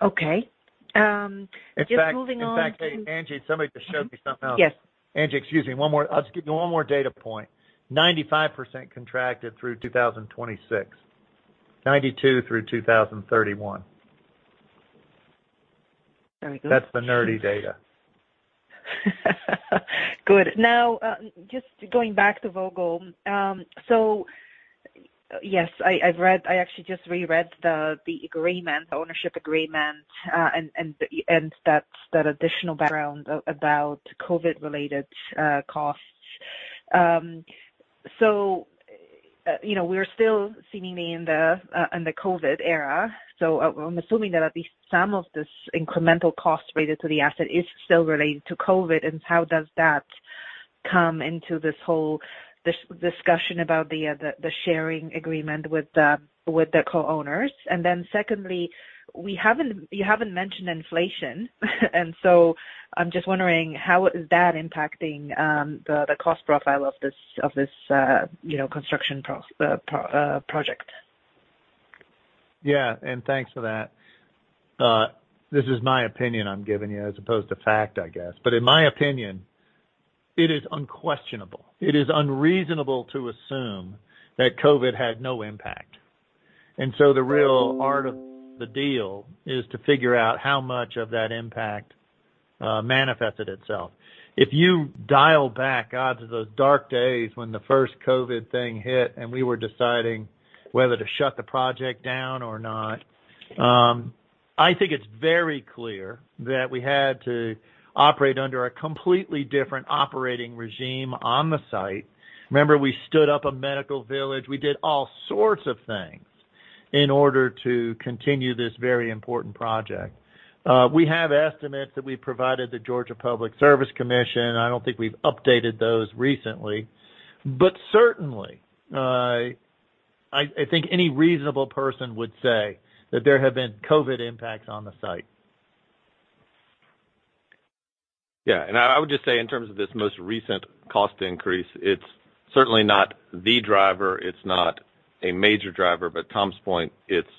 Okay. Just moving on. In fact, hey, Angie, somebody just showed me something else. Yes. Angie, excuse me, one more. I'll just give you one more data point. 95% contracted through 2026. 92 through 2031. Very good. That's the nerdy data. Good. Now, just going back to Vogtle. So, yes, I've read—I actually just reread the agreement, the ownership agreement, and that additional background about COVID-related costs. So, you know, we're still seemingly in the COVID era, so I'm assuming that at least some of this incremental cost related to the asset is still related to COVID, and how does that come into this whole discussion about the sharing agreement with the co-owners? Then secondly, you haven't mentioned inflation and so I'm just wondering how is that impacting the cost profile of this construction project? Yeah, thanks for that. This is my opinion I'm giving you as opposed to fact, I guess. In my opinion, it is unquestionable. It is unreasonable to assume that COVID had no impact. The real art of the deal is to figure out how much of that impact manifested itself. If you dial back out to those dark days when the first COVID thing hit and we were deciding whether to shut the project down or not, I think it's very clear that we had to operate under a completely different operating regime on the site. Remember, we stood up a medical village. We did all sorts of things in order to continue this very important project. We have estimates that we provided the Georgia Public Service Commission. I don't think we've updated those recently. Certainly, I think any reasonable person would say that there have been COVID impacts on the site. Yeah. I would just say in terms of this most recent cost increase, it's certainly not the driver, it's not a major driver, but Tom's point, it's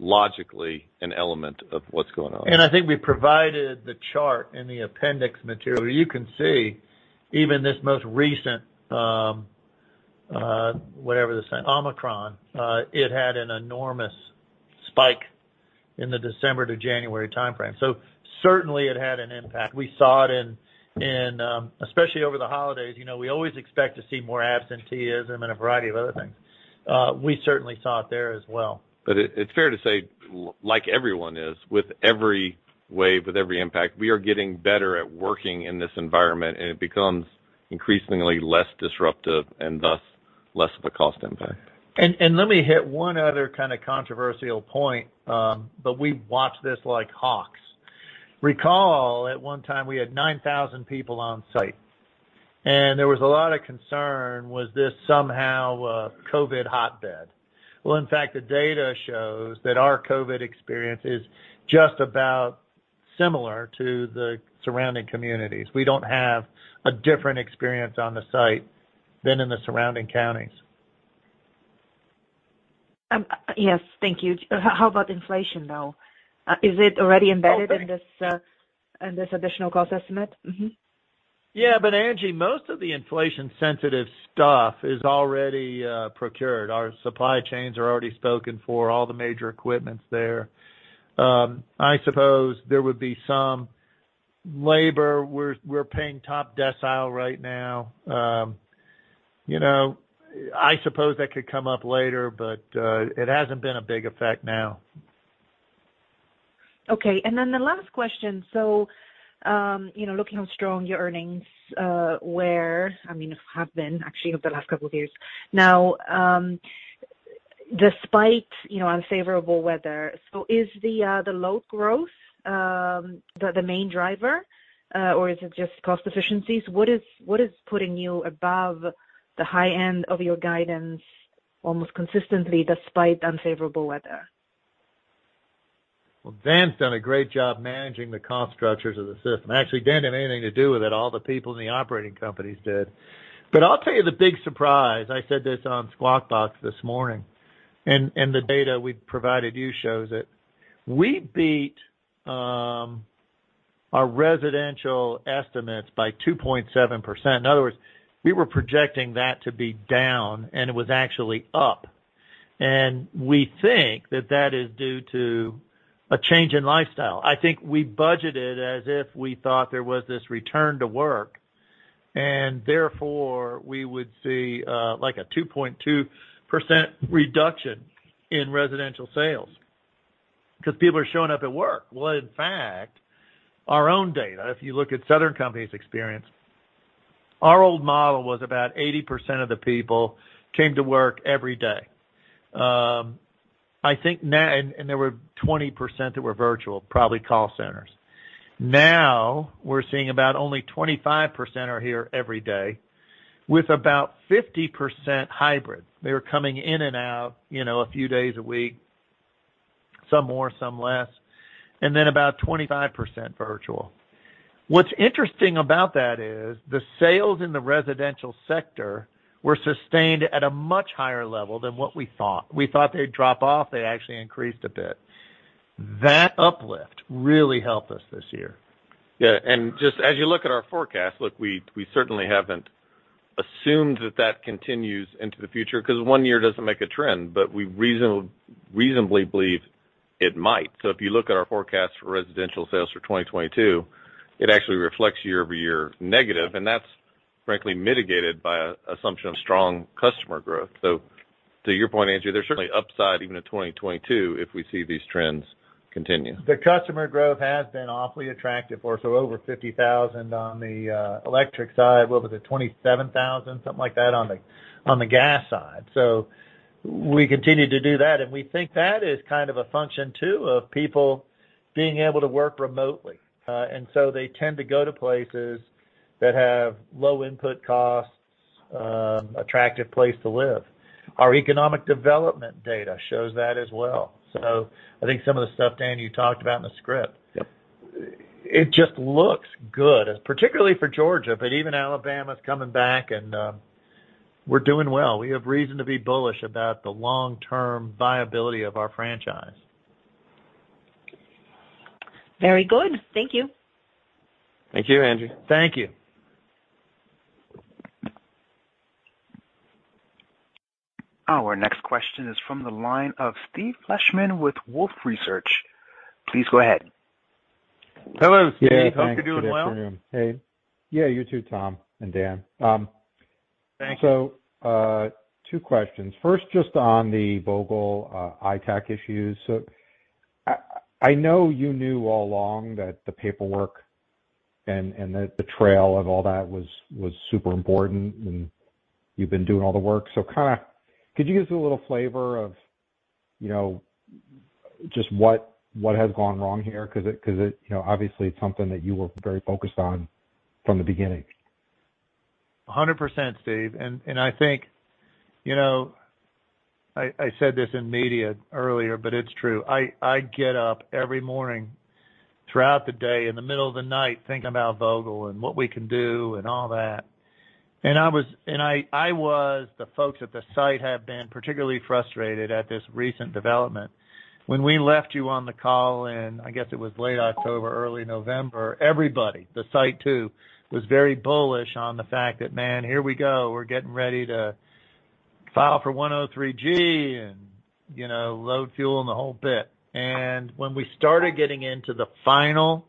logically an element of what's going on. I think we provided the chart in the appendix material. You can see even this most recent Omicron, it had an enormous spike in the December to January timeframe. Certainly it had an impact. We saw it, especially over the holidays. You know, we always expect to see more absenteeism and a variety of other things. We certainly saw it there as well. It's fair to say, like everyone is, with every wave, with every impact, we are getting better at working in this environment, and it becomes increasingly less disruptive and thus less of a cost impact. Let me hit one other kind of controversial point, but we watched this like hawks. Recall, at one time we had 9,000 people on site, and there was a lot of concern. Was this somehow a COVID hotbed? Well, in fact, the data shows that our COVID experience is just about similar to the surrounding communities. We don't have a different experience on the site than in the surrounding counties. Yes. Thank you. How about inflation, though? Is it already embedded? In this additional cost estimate? Yeah, Angie, most of the inflation sensitive stuff is already procured. Our supply chains are already spoken for, all the major equipment's there. I suppose there would be some labor. We're paying top decile right now. You know, I suppose that could come up later, but it hasn't been a big effect now. Okay. Then the last question. You know, looking how strong your earnings were, I mean, have been actually over the last couple of years now, despite you know, unfavorable weather. Is the low growth the main driver or is it just cost efficiencies? What is putting you above the high end of your guidance almost consistently despite unfavorable weather? Well, Dan's done a great job managing the cost structures of the system. Actually, Dan didn't have anything to do with it. All the people in the operating companies did. I'll tell you the big surprise. I said this on Squawk Box this morning, and the data we provided you shows it. We beat our residential estimates by 2.7%. In other words, we were projecting that to be down and it was actually up. We think that is due to a change in lifestyle. I think we budgeted as if we thought there was this return to work and therefore we would see, like, a 2.2% reduction in residential sales because people are showing up at work. Well, in fact, our own data, if you look at Southern Company's experience, our old model was about 80% of the people came to work every day. I think now and there were 20% that were virtual, probably call centers. Now we're seeing about only 25% are here every day with about 50% hybrid. They're coming in and out, you know, a few days a week, some more, some less, and then about 25% virtual. What's interesting about that is the sales in the residential sector were sustained at a much higher level than what we thought. We thought they'd drop off. They actually increased a bit. That uplift really helped us this year. Yeah. Just as you look at our forecast, look, we certainly haven't assumed that continues into the future because one year doesn't make a trend, but we reasonably believe it might. If you look at our forecast for residential sales for 2022, it actually reflects year-over-year negative. That's frankly mitigated by assumption of strong customer growth. To your point, Angie, there's certainly upside even in 2022 if we see these trends continue. The customer growth has been awfully attractive for us. We're over 50,000 on the electric side. What was it? 27,000, something like that on the gas side. We continue to do that, and we think that is kind of a function too of people being able to work remotely. They tend to go to places that have low input costs, attractive place to live. Our economic development data shows that as well. I think some of the stuff, Dan, you talked about in the script. Yep. It just looks good, particularly for Georgia, but even Alabama's coming back and, we're doing well. We have reason to be bullish about the long-term viability of our franchise. Very good. Thank you. Thank you, Angie. Thank you. Our next question is from the line of Steve Fleishman with Wolfe Research. Please go ahead. Hello, Steve. Yeah. Thanks. Hope you're doing well. Good afternoon. Hey. Yeah, you too, Tom and Dan. Thanks. Two questions. First, just on the Vogtle, ITAAC issues. I know you knew all along that the paperwork and the trail of all that was super important, and you've been doing all the work. Kinda, could you give us a little flavor of, you know, just what has gone wrong here? 'Cause it, you know, obviously it's something that you were very focused on from the beginning. 100%, Steve. I think, you know, I said this in the media earlier, but it's true. I get up every morning throughout the day, in the middle of the night, thinking about Vogtle and what we can do and all that. The folks at the site have been particularly frustrated at this recent development. When we left you on the call in, I guess, it was late October, early November, everybody, the site too, was very bullish on the fact that, man, here we go. We're getting ready to file for 103(g) and, you know, load fuel and the whole bit. When we started getting into the final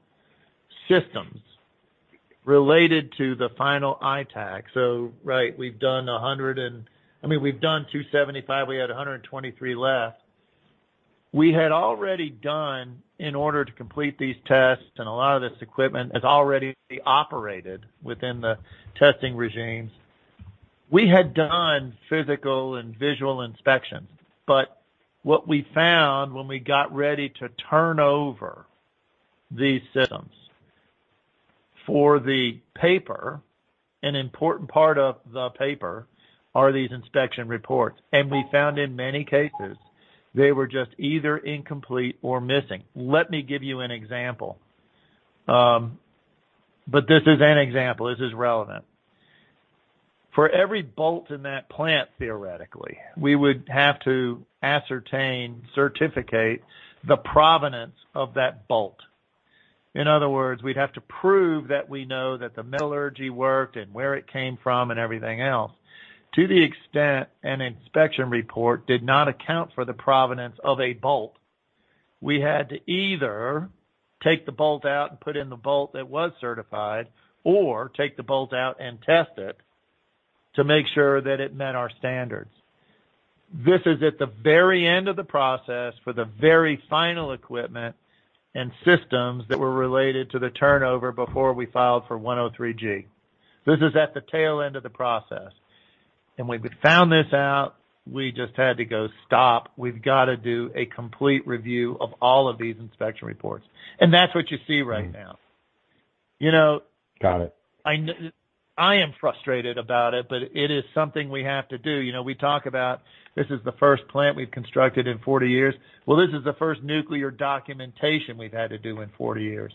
systems related to the final ITAAC. So right, I mean, we've done 275. We had 123 left. We had already done in order to complete these tests, and a lot of this equipment has already operated within the testing regimes. We had done physical and visual inspections, but what we found when we got ready to turn over these systems for the paper, an important part of the paper are these inspection reports. We found in many cases they were just either incomplete or missing. Let me give you an example. But this is an example. This is relevant. For every bolt in that plant, theoretically, we would have to ascertain, certify the provenance of that bolt. In other words, we'd have to prove that we know that the metallurgy worked and where it came from and everything else. To the extent an inspection report did not account for the provenance of a bolt, we had to either take the bolt out and put in the bolt that was certified or take the bolt out and test it to make sure that it met our standards. This is at the very end of the process for the very final equipment and systems that were related to the turnover before we filed for 103(g). This is at the tail end of the process, and when we found this out, we just had to go stop. We've got to do a complete review of all of these inspection reports, and that's what you see right now. You know. Got it. I am frustrated about it, but it is something we have to do. You know, we talk about this is the first plant we've constructed in 40 years. Well, this is the first nuclear documentation we've had to do in 40 years.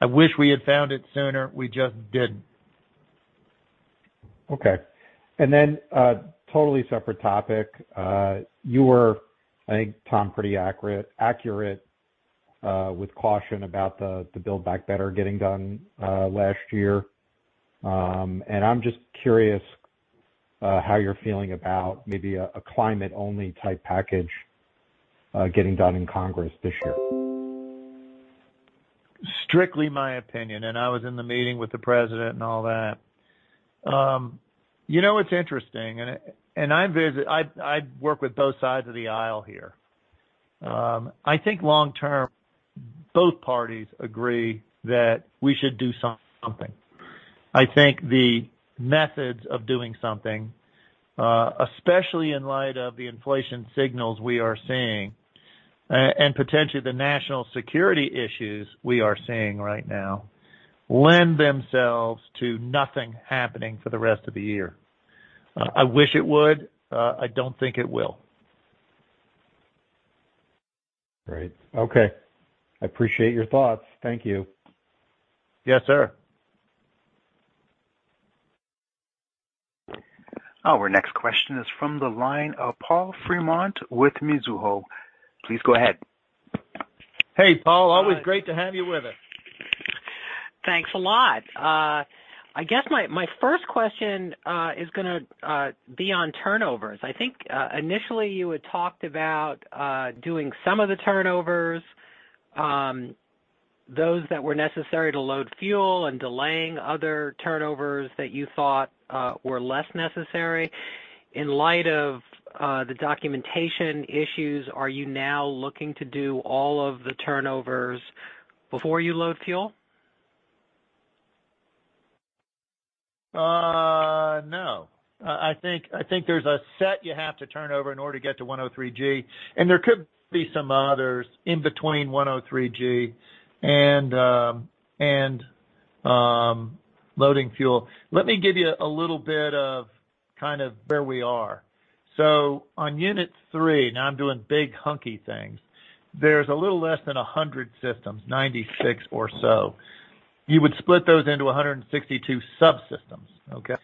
I wish we had found it sooner. We just didn't. Okay. Totally separate topic. You were, I think, Tom, pretty accurate with caution about the Build Back Better getting done last year. I'm just curious how you're feeling about maybe a climate-only type package getting done in Congress this year. Strictly my opinion, and I was in the meeting with the President and all that. You know, it's interesting, and I work with both sides of the aisle here. I think long term, both parties agree that we should do something. I think the methods of doing something, especially in light of the inflation signals we are seeing, and potentially the national security issues we are seeing right now, lend themselves to nothing happening for the rest of the year. I wish it would. I don't think it will. Great. Okay. I appreciate your thoughts. Thank you. Yes, sir. Our next question is from the line of Paul Fremont with Mizuho. Please go ahead. Hey, Paul, always great to have you with us. Thanks a lot. I guess my first question is gonna be on turnovers. I think initially you had talked about doing some of the turnovers, those that were necessary to load fuel and delaying other turnovers that you thought were less necessary. In light of the documentation issues, are you now looking to do all of the turnovers before you load fuel? No. I think there's a set you have to turn over in order to get to 103(g). There could be some others in between 103(g) and loading fuel. Let me give you a little bit of kind of where we are. On Unit 3, now I'm doing big chunky things. There's a little less than 100 systems, 96 or so. You would split those into 162 subsystems. Okay?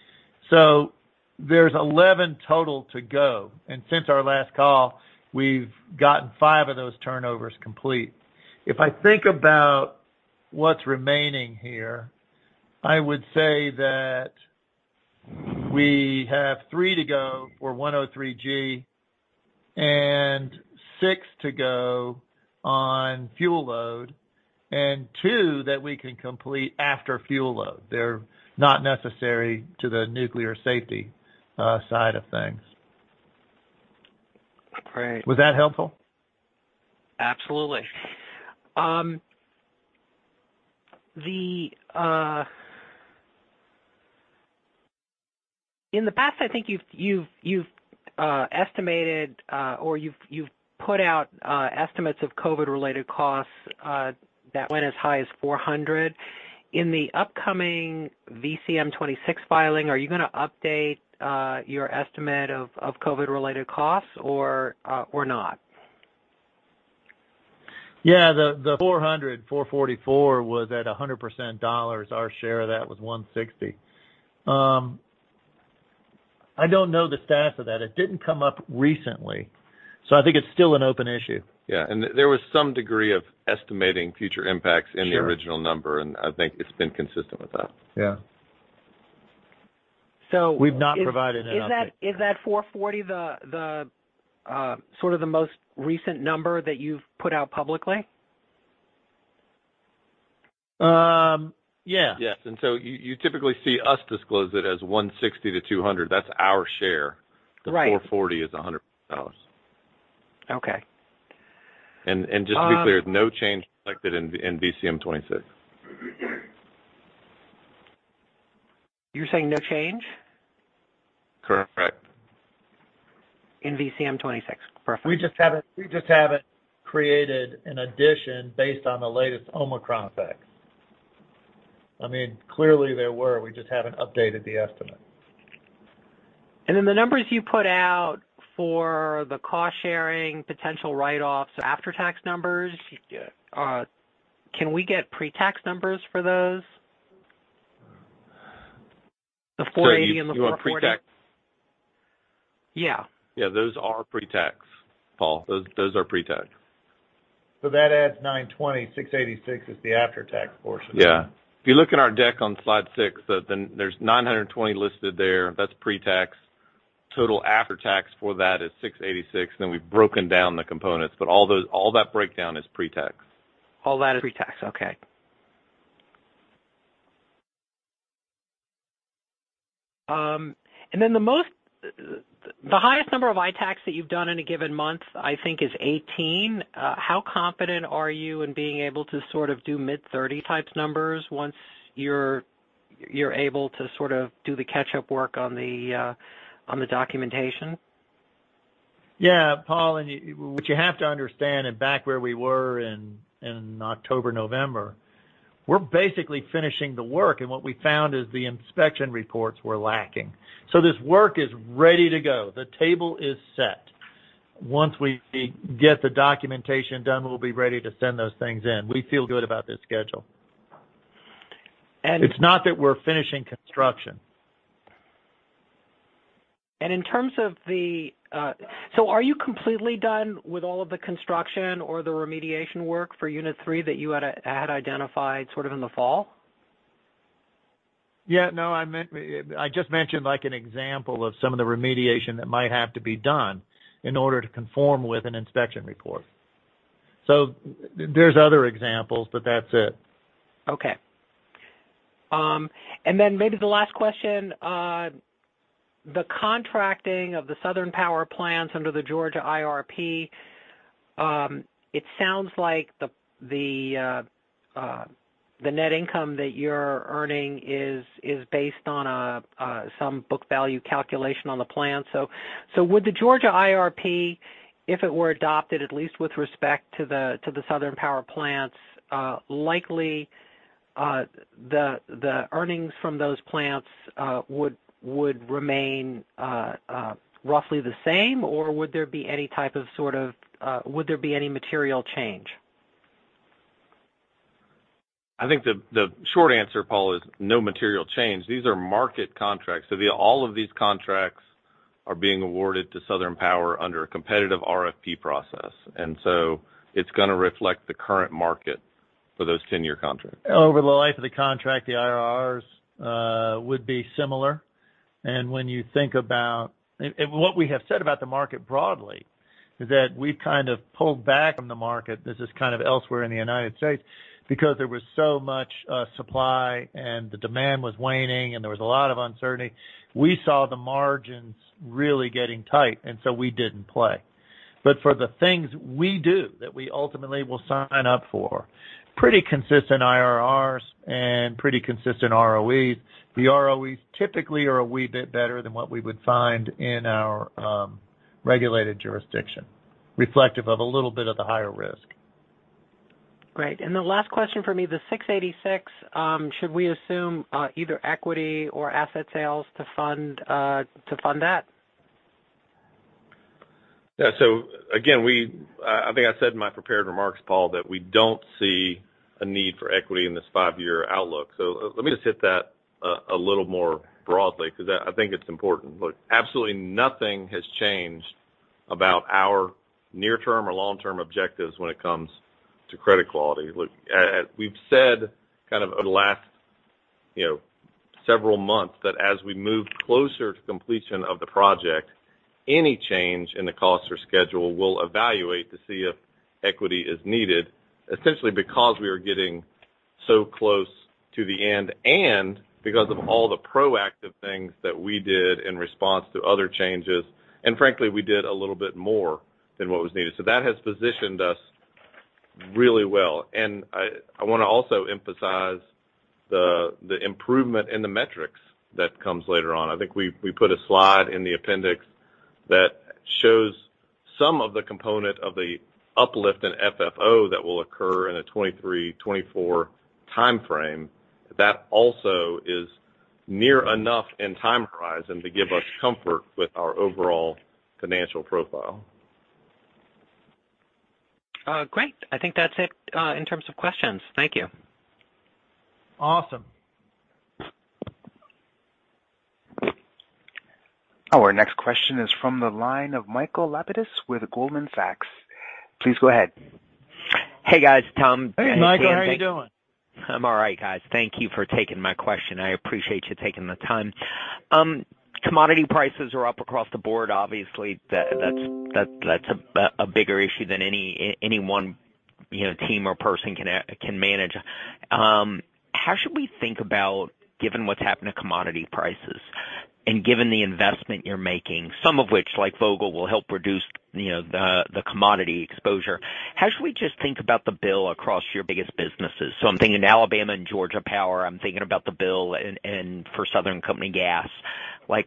There's 11 total to go. Since our last call, we've gotten five of those turnovers complete. If I think about what's remaining here, I would say that we have three to go for 103(g) and six to go on fuel load, and two that we can complete after fuel load. They're not necessary to the nuclear safety, side of things. Great. Was that helpful? Absolutely. In the past, I think you've estimated or you've put out estimates of COVID-related costs that went as high as $400. In the upcoming VCM-26 filing, are you gonna update your estimate of COVID-related costs or not? Yeah, the 444 was at 100% dollars. Our share of that was 160. I don't know the status of that. It didn't come up recently, so I think it's still an open issue. Yeah. There was some degree of estimating future impacts. Sure. In the original number, and I think it's been consistent with that. Yeah. So- We've not provided an update. Is that 440 the sort of the most recent number that you've put out publicly? Yeah. Yes. You typically see us disclose it as 160-200. That's our share. Right. The four-forty is a hundred thousand. Okay. Just to be clear, no change selected in VCM-26. You're saying no change? Correct. In VCM-26. Perfect. We just haven't created an addition based on the latest Omicron facts. I mean, clearly there were. We just haven't updated the estimate. The numbers you put out for the cost-sharing potential write-offs are after-tax numbers. Yeah. Can we get pre-tax numbers for those? The $480 and the $440. You want pre-tax? Yeah. Yeah, those are pre-tax, Paul. Those are pre-tax. That adds $920. $686 is the after-tax portion. Yeah. If you look in our deck on slide six, so then there's $920 listed there. That's pre-tax. Total after tax for that is $686. We've broken down the components. All that breakdown is pre-tax. All that is pre-tax. Okay. The highest number of ITAAC that you've done in a given month, I think is 18. How confident are you in being able to sort of do mid-30 type numbers once you're able to sort of do the catch-up work on the documentation? Yeah. Paul, what you have to understand and back where we were in October, November, we're basically finishing the work. What we found is the inspection reports were lacking. This work is ready to go. The table is set. Once we get the documentation done, we'll be ready to send those things in. We feel good about this schedule. And- It's not that we're finishing construction. In terms of the, are you completely done with all of the construction or the remediation work for unit three that you had identified sort of in the fall? Yeah. No, I just mentioned, like, an example of some of the remediation that might have to be done in order to conform with an inspection report. There's other examples, but that's it. Okay. Maybe the last question. The contracting of the Southern Power plants under the Georgia IRP, it sounds like the net income that you're earning is based on some book value calculation on the plant. Would the Georgia IRP, if it were adopted, at least with respect to the Southern Power plants, likely the earnings from those plants would remain roughly the same? Or would there be any material change? I think the short answer, Paul, is no material change. These are market contracts. All of these contracts are being awarded to Southern Power under a competitive RFP process. It's gonna reflect the current market for those 10-year contracts. Over the life of the contract, the IRRs would be similar. What we have said about the market broadly is that we've kind of pulled back from the market. This is kind of elsewhere in the United States, because there was so much supply and the demand was waning and there was a lot of uncertainty. We saw the margins really getting tight, and so we didn't play. For the things we do that we ultimately will sign up for, pretty consistent IRRs and pretty consistent ROEs. The ROEs typically are a wee bit better than what we would find in our regulated jurisdiction, reflective of a little bit of the higher risk. Great. The last question for me, the 686, should we assume either equity or asset sales to fund that? Yeah. Again, I think I said in my prepared remarks, Paul, that we don't see a need for equity in this five-year outlook. Let me just hit that a little more broadly because I think it's important. Look, absolutely nothing has changed about our near-term or long-term objectives when it comes to credit quality. Look, as we've said, kind of over the last, you know, several months, that as we move closer to completion of the project, any change in the cost or schedule, we'll evaluate to see if equity is needed, essentially because we are getting so close to the end and because of all the proactive things that we did in response to other changes. Frankly, we did a little bit more than what was needed. That has positioned us really well. I wanna also emphasize the improvement in the metrics that comes later on. I think we put a slide in the appendix that shows some of the component of the uplift in FFO that will occur in a 2023, 2024 timeframe. That also is near enough in time horizon to give us comfort with our overall financial profile. Great. I think that's it in terms of questions. Thank you. Awesome. Our next question is from the line of Michael Lapides with Goldman Sachs. Please go ahead. Hey, guys. Tom- Hey, Michael. How you doing? I'm all right, guys. Thank you for taking my question. I appreciate you taking the time. Commodity prices are up across the board. Obviously, that's a bigger issue than any one, you know, team or person can manage. How should we think about given what's happened to commodity prices and given the investment you're making, some of which, like Vogtle, will help reduce, you know, the commodity exposure. How should we just think about the bill across your biggest businesses? I'm thinking Alabama Power and Georgia Power. I'm thinking about the bill and for Southern Company Gas. Like,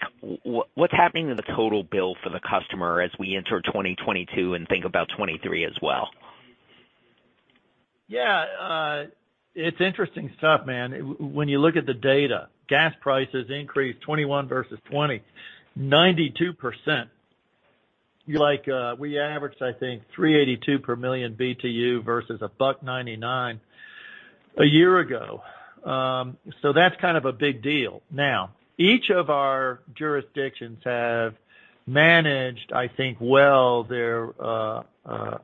what's happening to the total bill for the customer as we enter 2022 and think about 2023 as well? It's interesting stuff, man. When you look at the data, gas prices increased 2021 versus 2020, 92%. Like, we averaged, I think, $3.82 per million BTU versus $1.99 a year ago. That's kind of a big deal. Now, each of our jurisdictions have managed, I think, well, their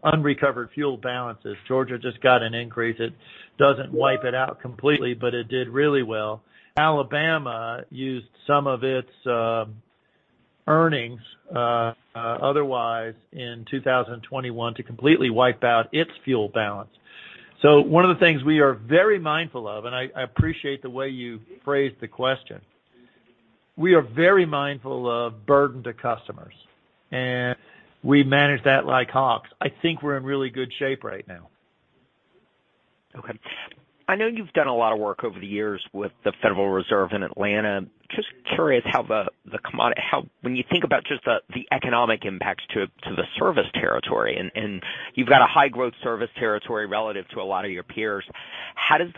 unrecovered fuel balances. Georgia just got an increase. It doesn't wipe it out completely, but it did really well. Alabama used some of its earnings otherwise in 2021 to completely wipe out its fuel balance. One of the things we are very mindful of, and I appreciate the way you phrased the question, we are very mindful of burden to customers, and we manage that like hawks. I think we're in really good shape right now. Okay. I know you've done a lot of work over the years with the Federal Reserve in Atlanta. Just curious how, when you think about just the economic impacts to the service territory, and you've got a high growth service territory relative to a lot of your peers, how do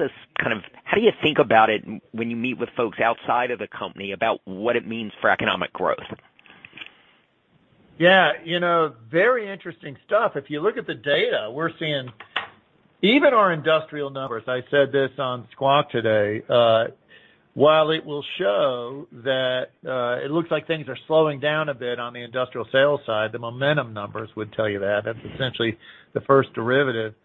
you think about it when you meet with folks outside of the company about what it means for economic growth? Yeah. You know, very interesting stuff. If you look at the data, we're seeing even our industrial numbers. I said this on Squawk today, while it will show that, it looks like things are slowing down a bit on the industrial sales side, the momentum numbers would tell you that. That's essentially the first derivative.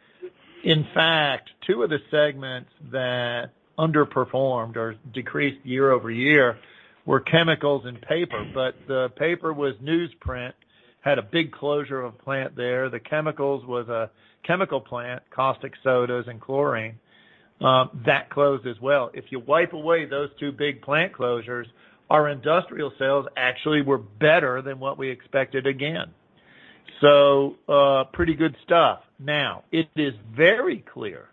In fact, two of the segments that underperformed or decreased year-over-year were chemicals and paper. But the paper was newsprint, had a big closure of a plant there. The chemicals was a chemical plant, caustic sodas and chlorine, that closed as well. If you wipe away those two big plant closures, our industrial sales actually were better than what we expected again. So, pretty good stuff. Now, it is very clear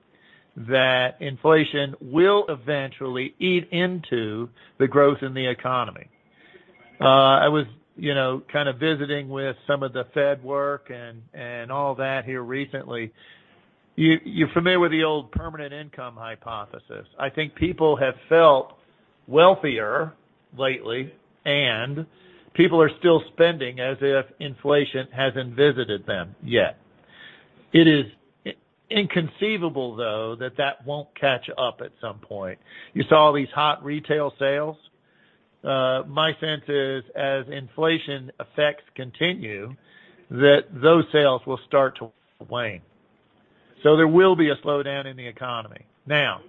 that inflation will eventually eat into the growth in the economy. I was, you know, kind of visiting with some of the Fed work and all that here recently. You're familiar with the old permanent income hypothesis. I think people have felt wealthier lately, and people are still spending as if inflation hasn't visited them yet. It is inconceivable, though, that won't catch up at some point. You saw these hot retail sales. My sense is, as inflation effects continue, that those sales will start to wane. There will be a slowdown in the economy. Now,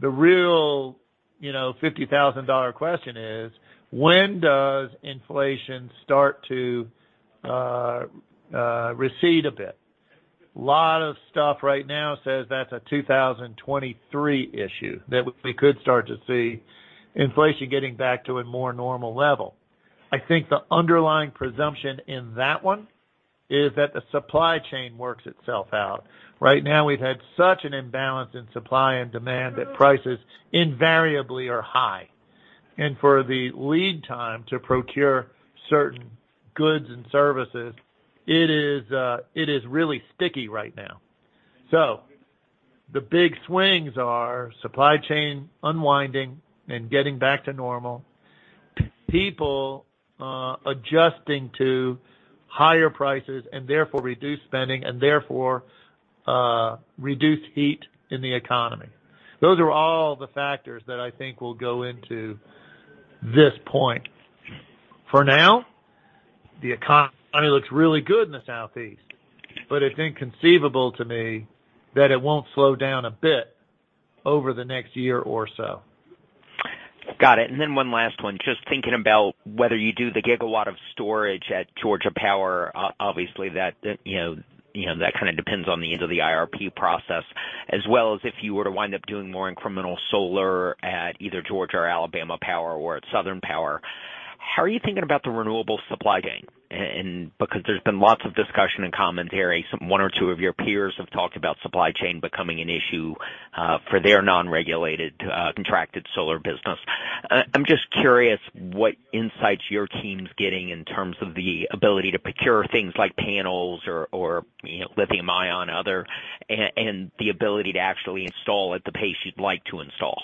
the real, you know, $50,000 question is, when does inflation start to recede a bit? A lot of stuff right now says that's a 2023 issue, that we could start to see inflation getting back to a more normal level. I think the underlying presumption in that one is that the supply chain works itself out. Right now, we've had such an imbalance in supply and demand that prices invariably are high. For the lead time to procure certain goods and services, it is really sticky right now. The big swings are supply chain unwinding and getting back to normal, people adjusting to higher prices and therefore reduced spending and therefore reduced heat in the economy. Those are all the factors that I think will go into this point. For now, the economy looks really good in the Southeast, but it's inconceivable to me that it won't slow down a bit over the next year or so. Got it. One last one. Just thinking about whether you do the gigawatt of storage at Georgia Power, obviously that kind of depends on the end of the IRP process, as well as if you were to wind up doing more incremental solar at either Georgia or Alabama Power or at Southern Power. How are you thinking about the renewable supply chain? Because there's been lots of discussion and commentary, some one or two of your peers have talked about supply chain becoming an issue for their non-regulated contracted solar business. I'm just curious what insights your team's getting in terms of the ability to procure things like panels or lithium-ion, other, and the ability to actually install at the pace you'd like to install.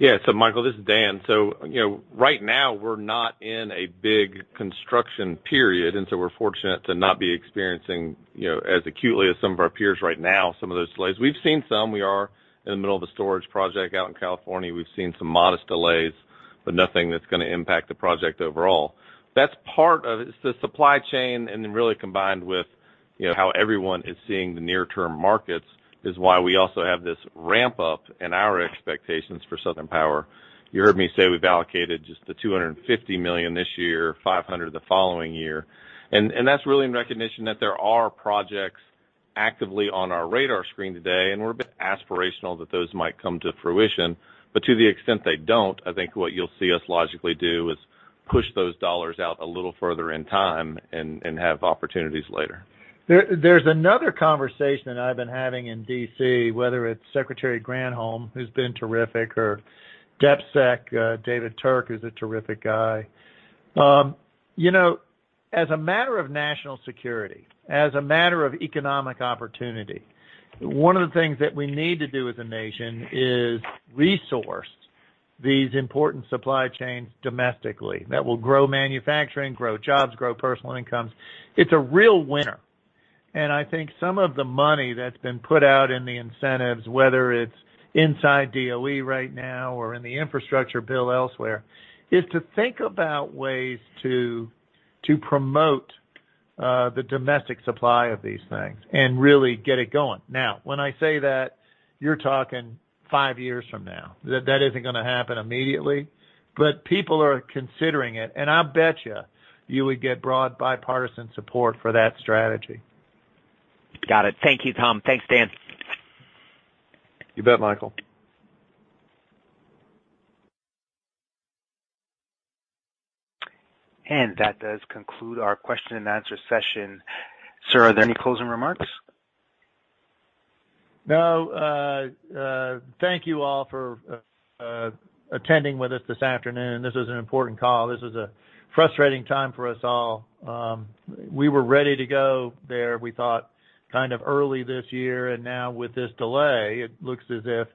Yeah. Michael, this is Dan. You know, right now we're not in a big construction period, and so we're fortunate to not be experiencing, you know, as acutely as some of our peers right now, some of those delays. We've seen some. We are in the middle of a storage project out in California. We've seen some modest delays, but nothing that's gonna impact the project overall. It's the supply chain and then really combined with you know, how everyone is seeing the near term markets is why we also have this ramp up in our expectations for Southern Power. You heard me say we've allocated just the $250 million this year, $500 million the following year. That's really in recognition that there are projects actively on our radar screen today, and we're a bit aspirational that those might come to fruition. To the extent they don't, I think what you'll see us logically do is push those dollars out a little further in time and have opportunities later. There's another conversation I've been having in D.C., whether it's Secretary Granholm, who's been terrific, or Deputy Secretary David Turk, who's a terrific guy. You know, as a matter of national security, as a matter of economic opportunity, one of the things that we need to do as a nation is resource these important supply chains domestically that will grow manufacturing, grow jobs, grow personal incomes. It's a real winner. I think some of the money that's been put out in the incentives, whether it's inside DOE right now or in the infrastructure bill elsewhere, is to think about ways to promote the domestic supply of these things and really get it going. Now, when I say that, you're talking five years from now, that isn't gonna happen immediately. People are considering it, and I bet you would get broad bipartisan support for that strategy. Got it. Thank you, Tom. Thanks, Dan. You bet, Michael. That does conclude our question and answer session. Sir, are there any closing remarks? Thank you all for attending with us this afternoon. This is an important call. This is a frustrating time for us all. We were ready to go there, we thought kind of early this year. Now with this delay, it looks as if,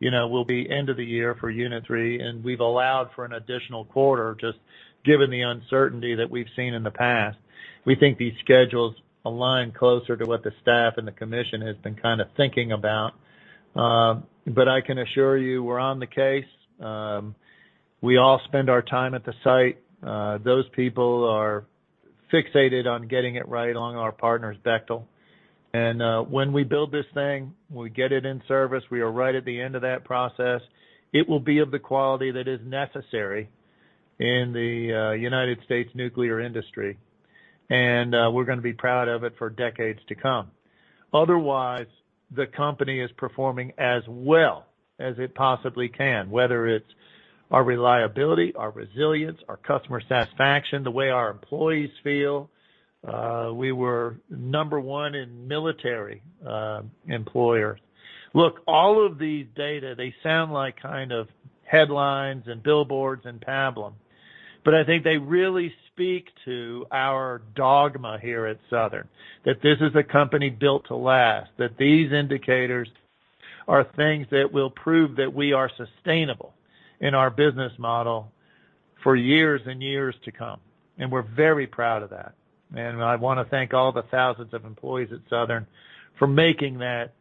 you know, we'll be end of the year for Unit 3, and we've allowed for an additional quarter just given the uncertainty that we've seen in the past. We think these schedules align closer to what the staff and the commission has been kind of thinking about. I can assure you we're on the case. We all spend our time at the site. Those people are fixated on getting it right, on our partners, Bechtel. When we build this thing, we get it in service, we are right at the end of that process. It will be of the quality that is necessary in the United States nuclear industry, and we're gonna be proud of it for decades to come. Otherwise, the company is performing as well as it possibly can, whether it's our reliability, our resilience, our customer satisfaction, the way our employees feel. We were number one military employer. Look, all of these data, they sound like kind of headlines and billboards and pablum, but I think they really speak to our dogma here at Southern, that this is a company built to last, that these indicators are things that will prove that we are sustainable in our business model for years and years to come. We're very proud of that. I wanna thank all the thousands of employees at Southern for making that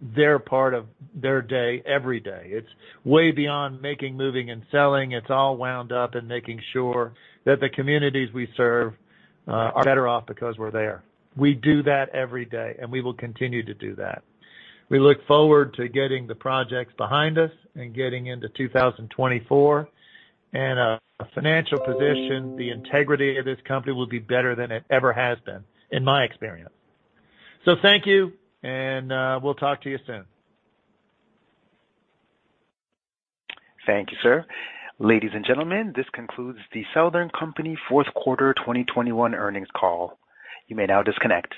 their part of their day every day. It's way beyond making, moving, and selling. It's all wound up in making sure that the communities we serve are better off because we're there. We do that every day, and we will continue to do that. We look forward to getting the projects behind us and getting into 2024. Our financial position, the integrity of this company will be better than it ever has been in my experience. Thank you, and we'll talk to you soon. Thank you, sir. Ladies and gentlemen, this concludes the Southern Company fourth quarter 2021 earnings call. You may now disconnect.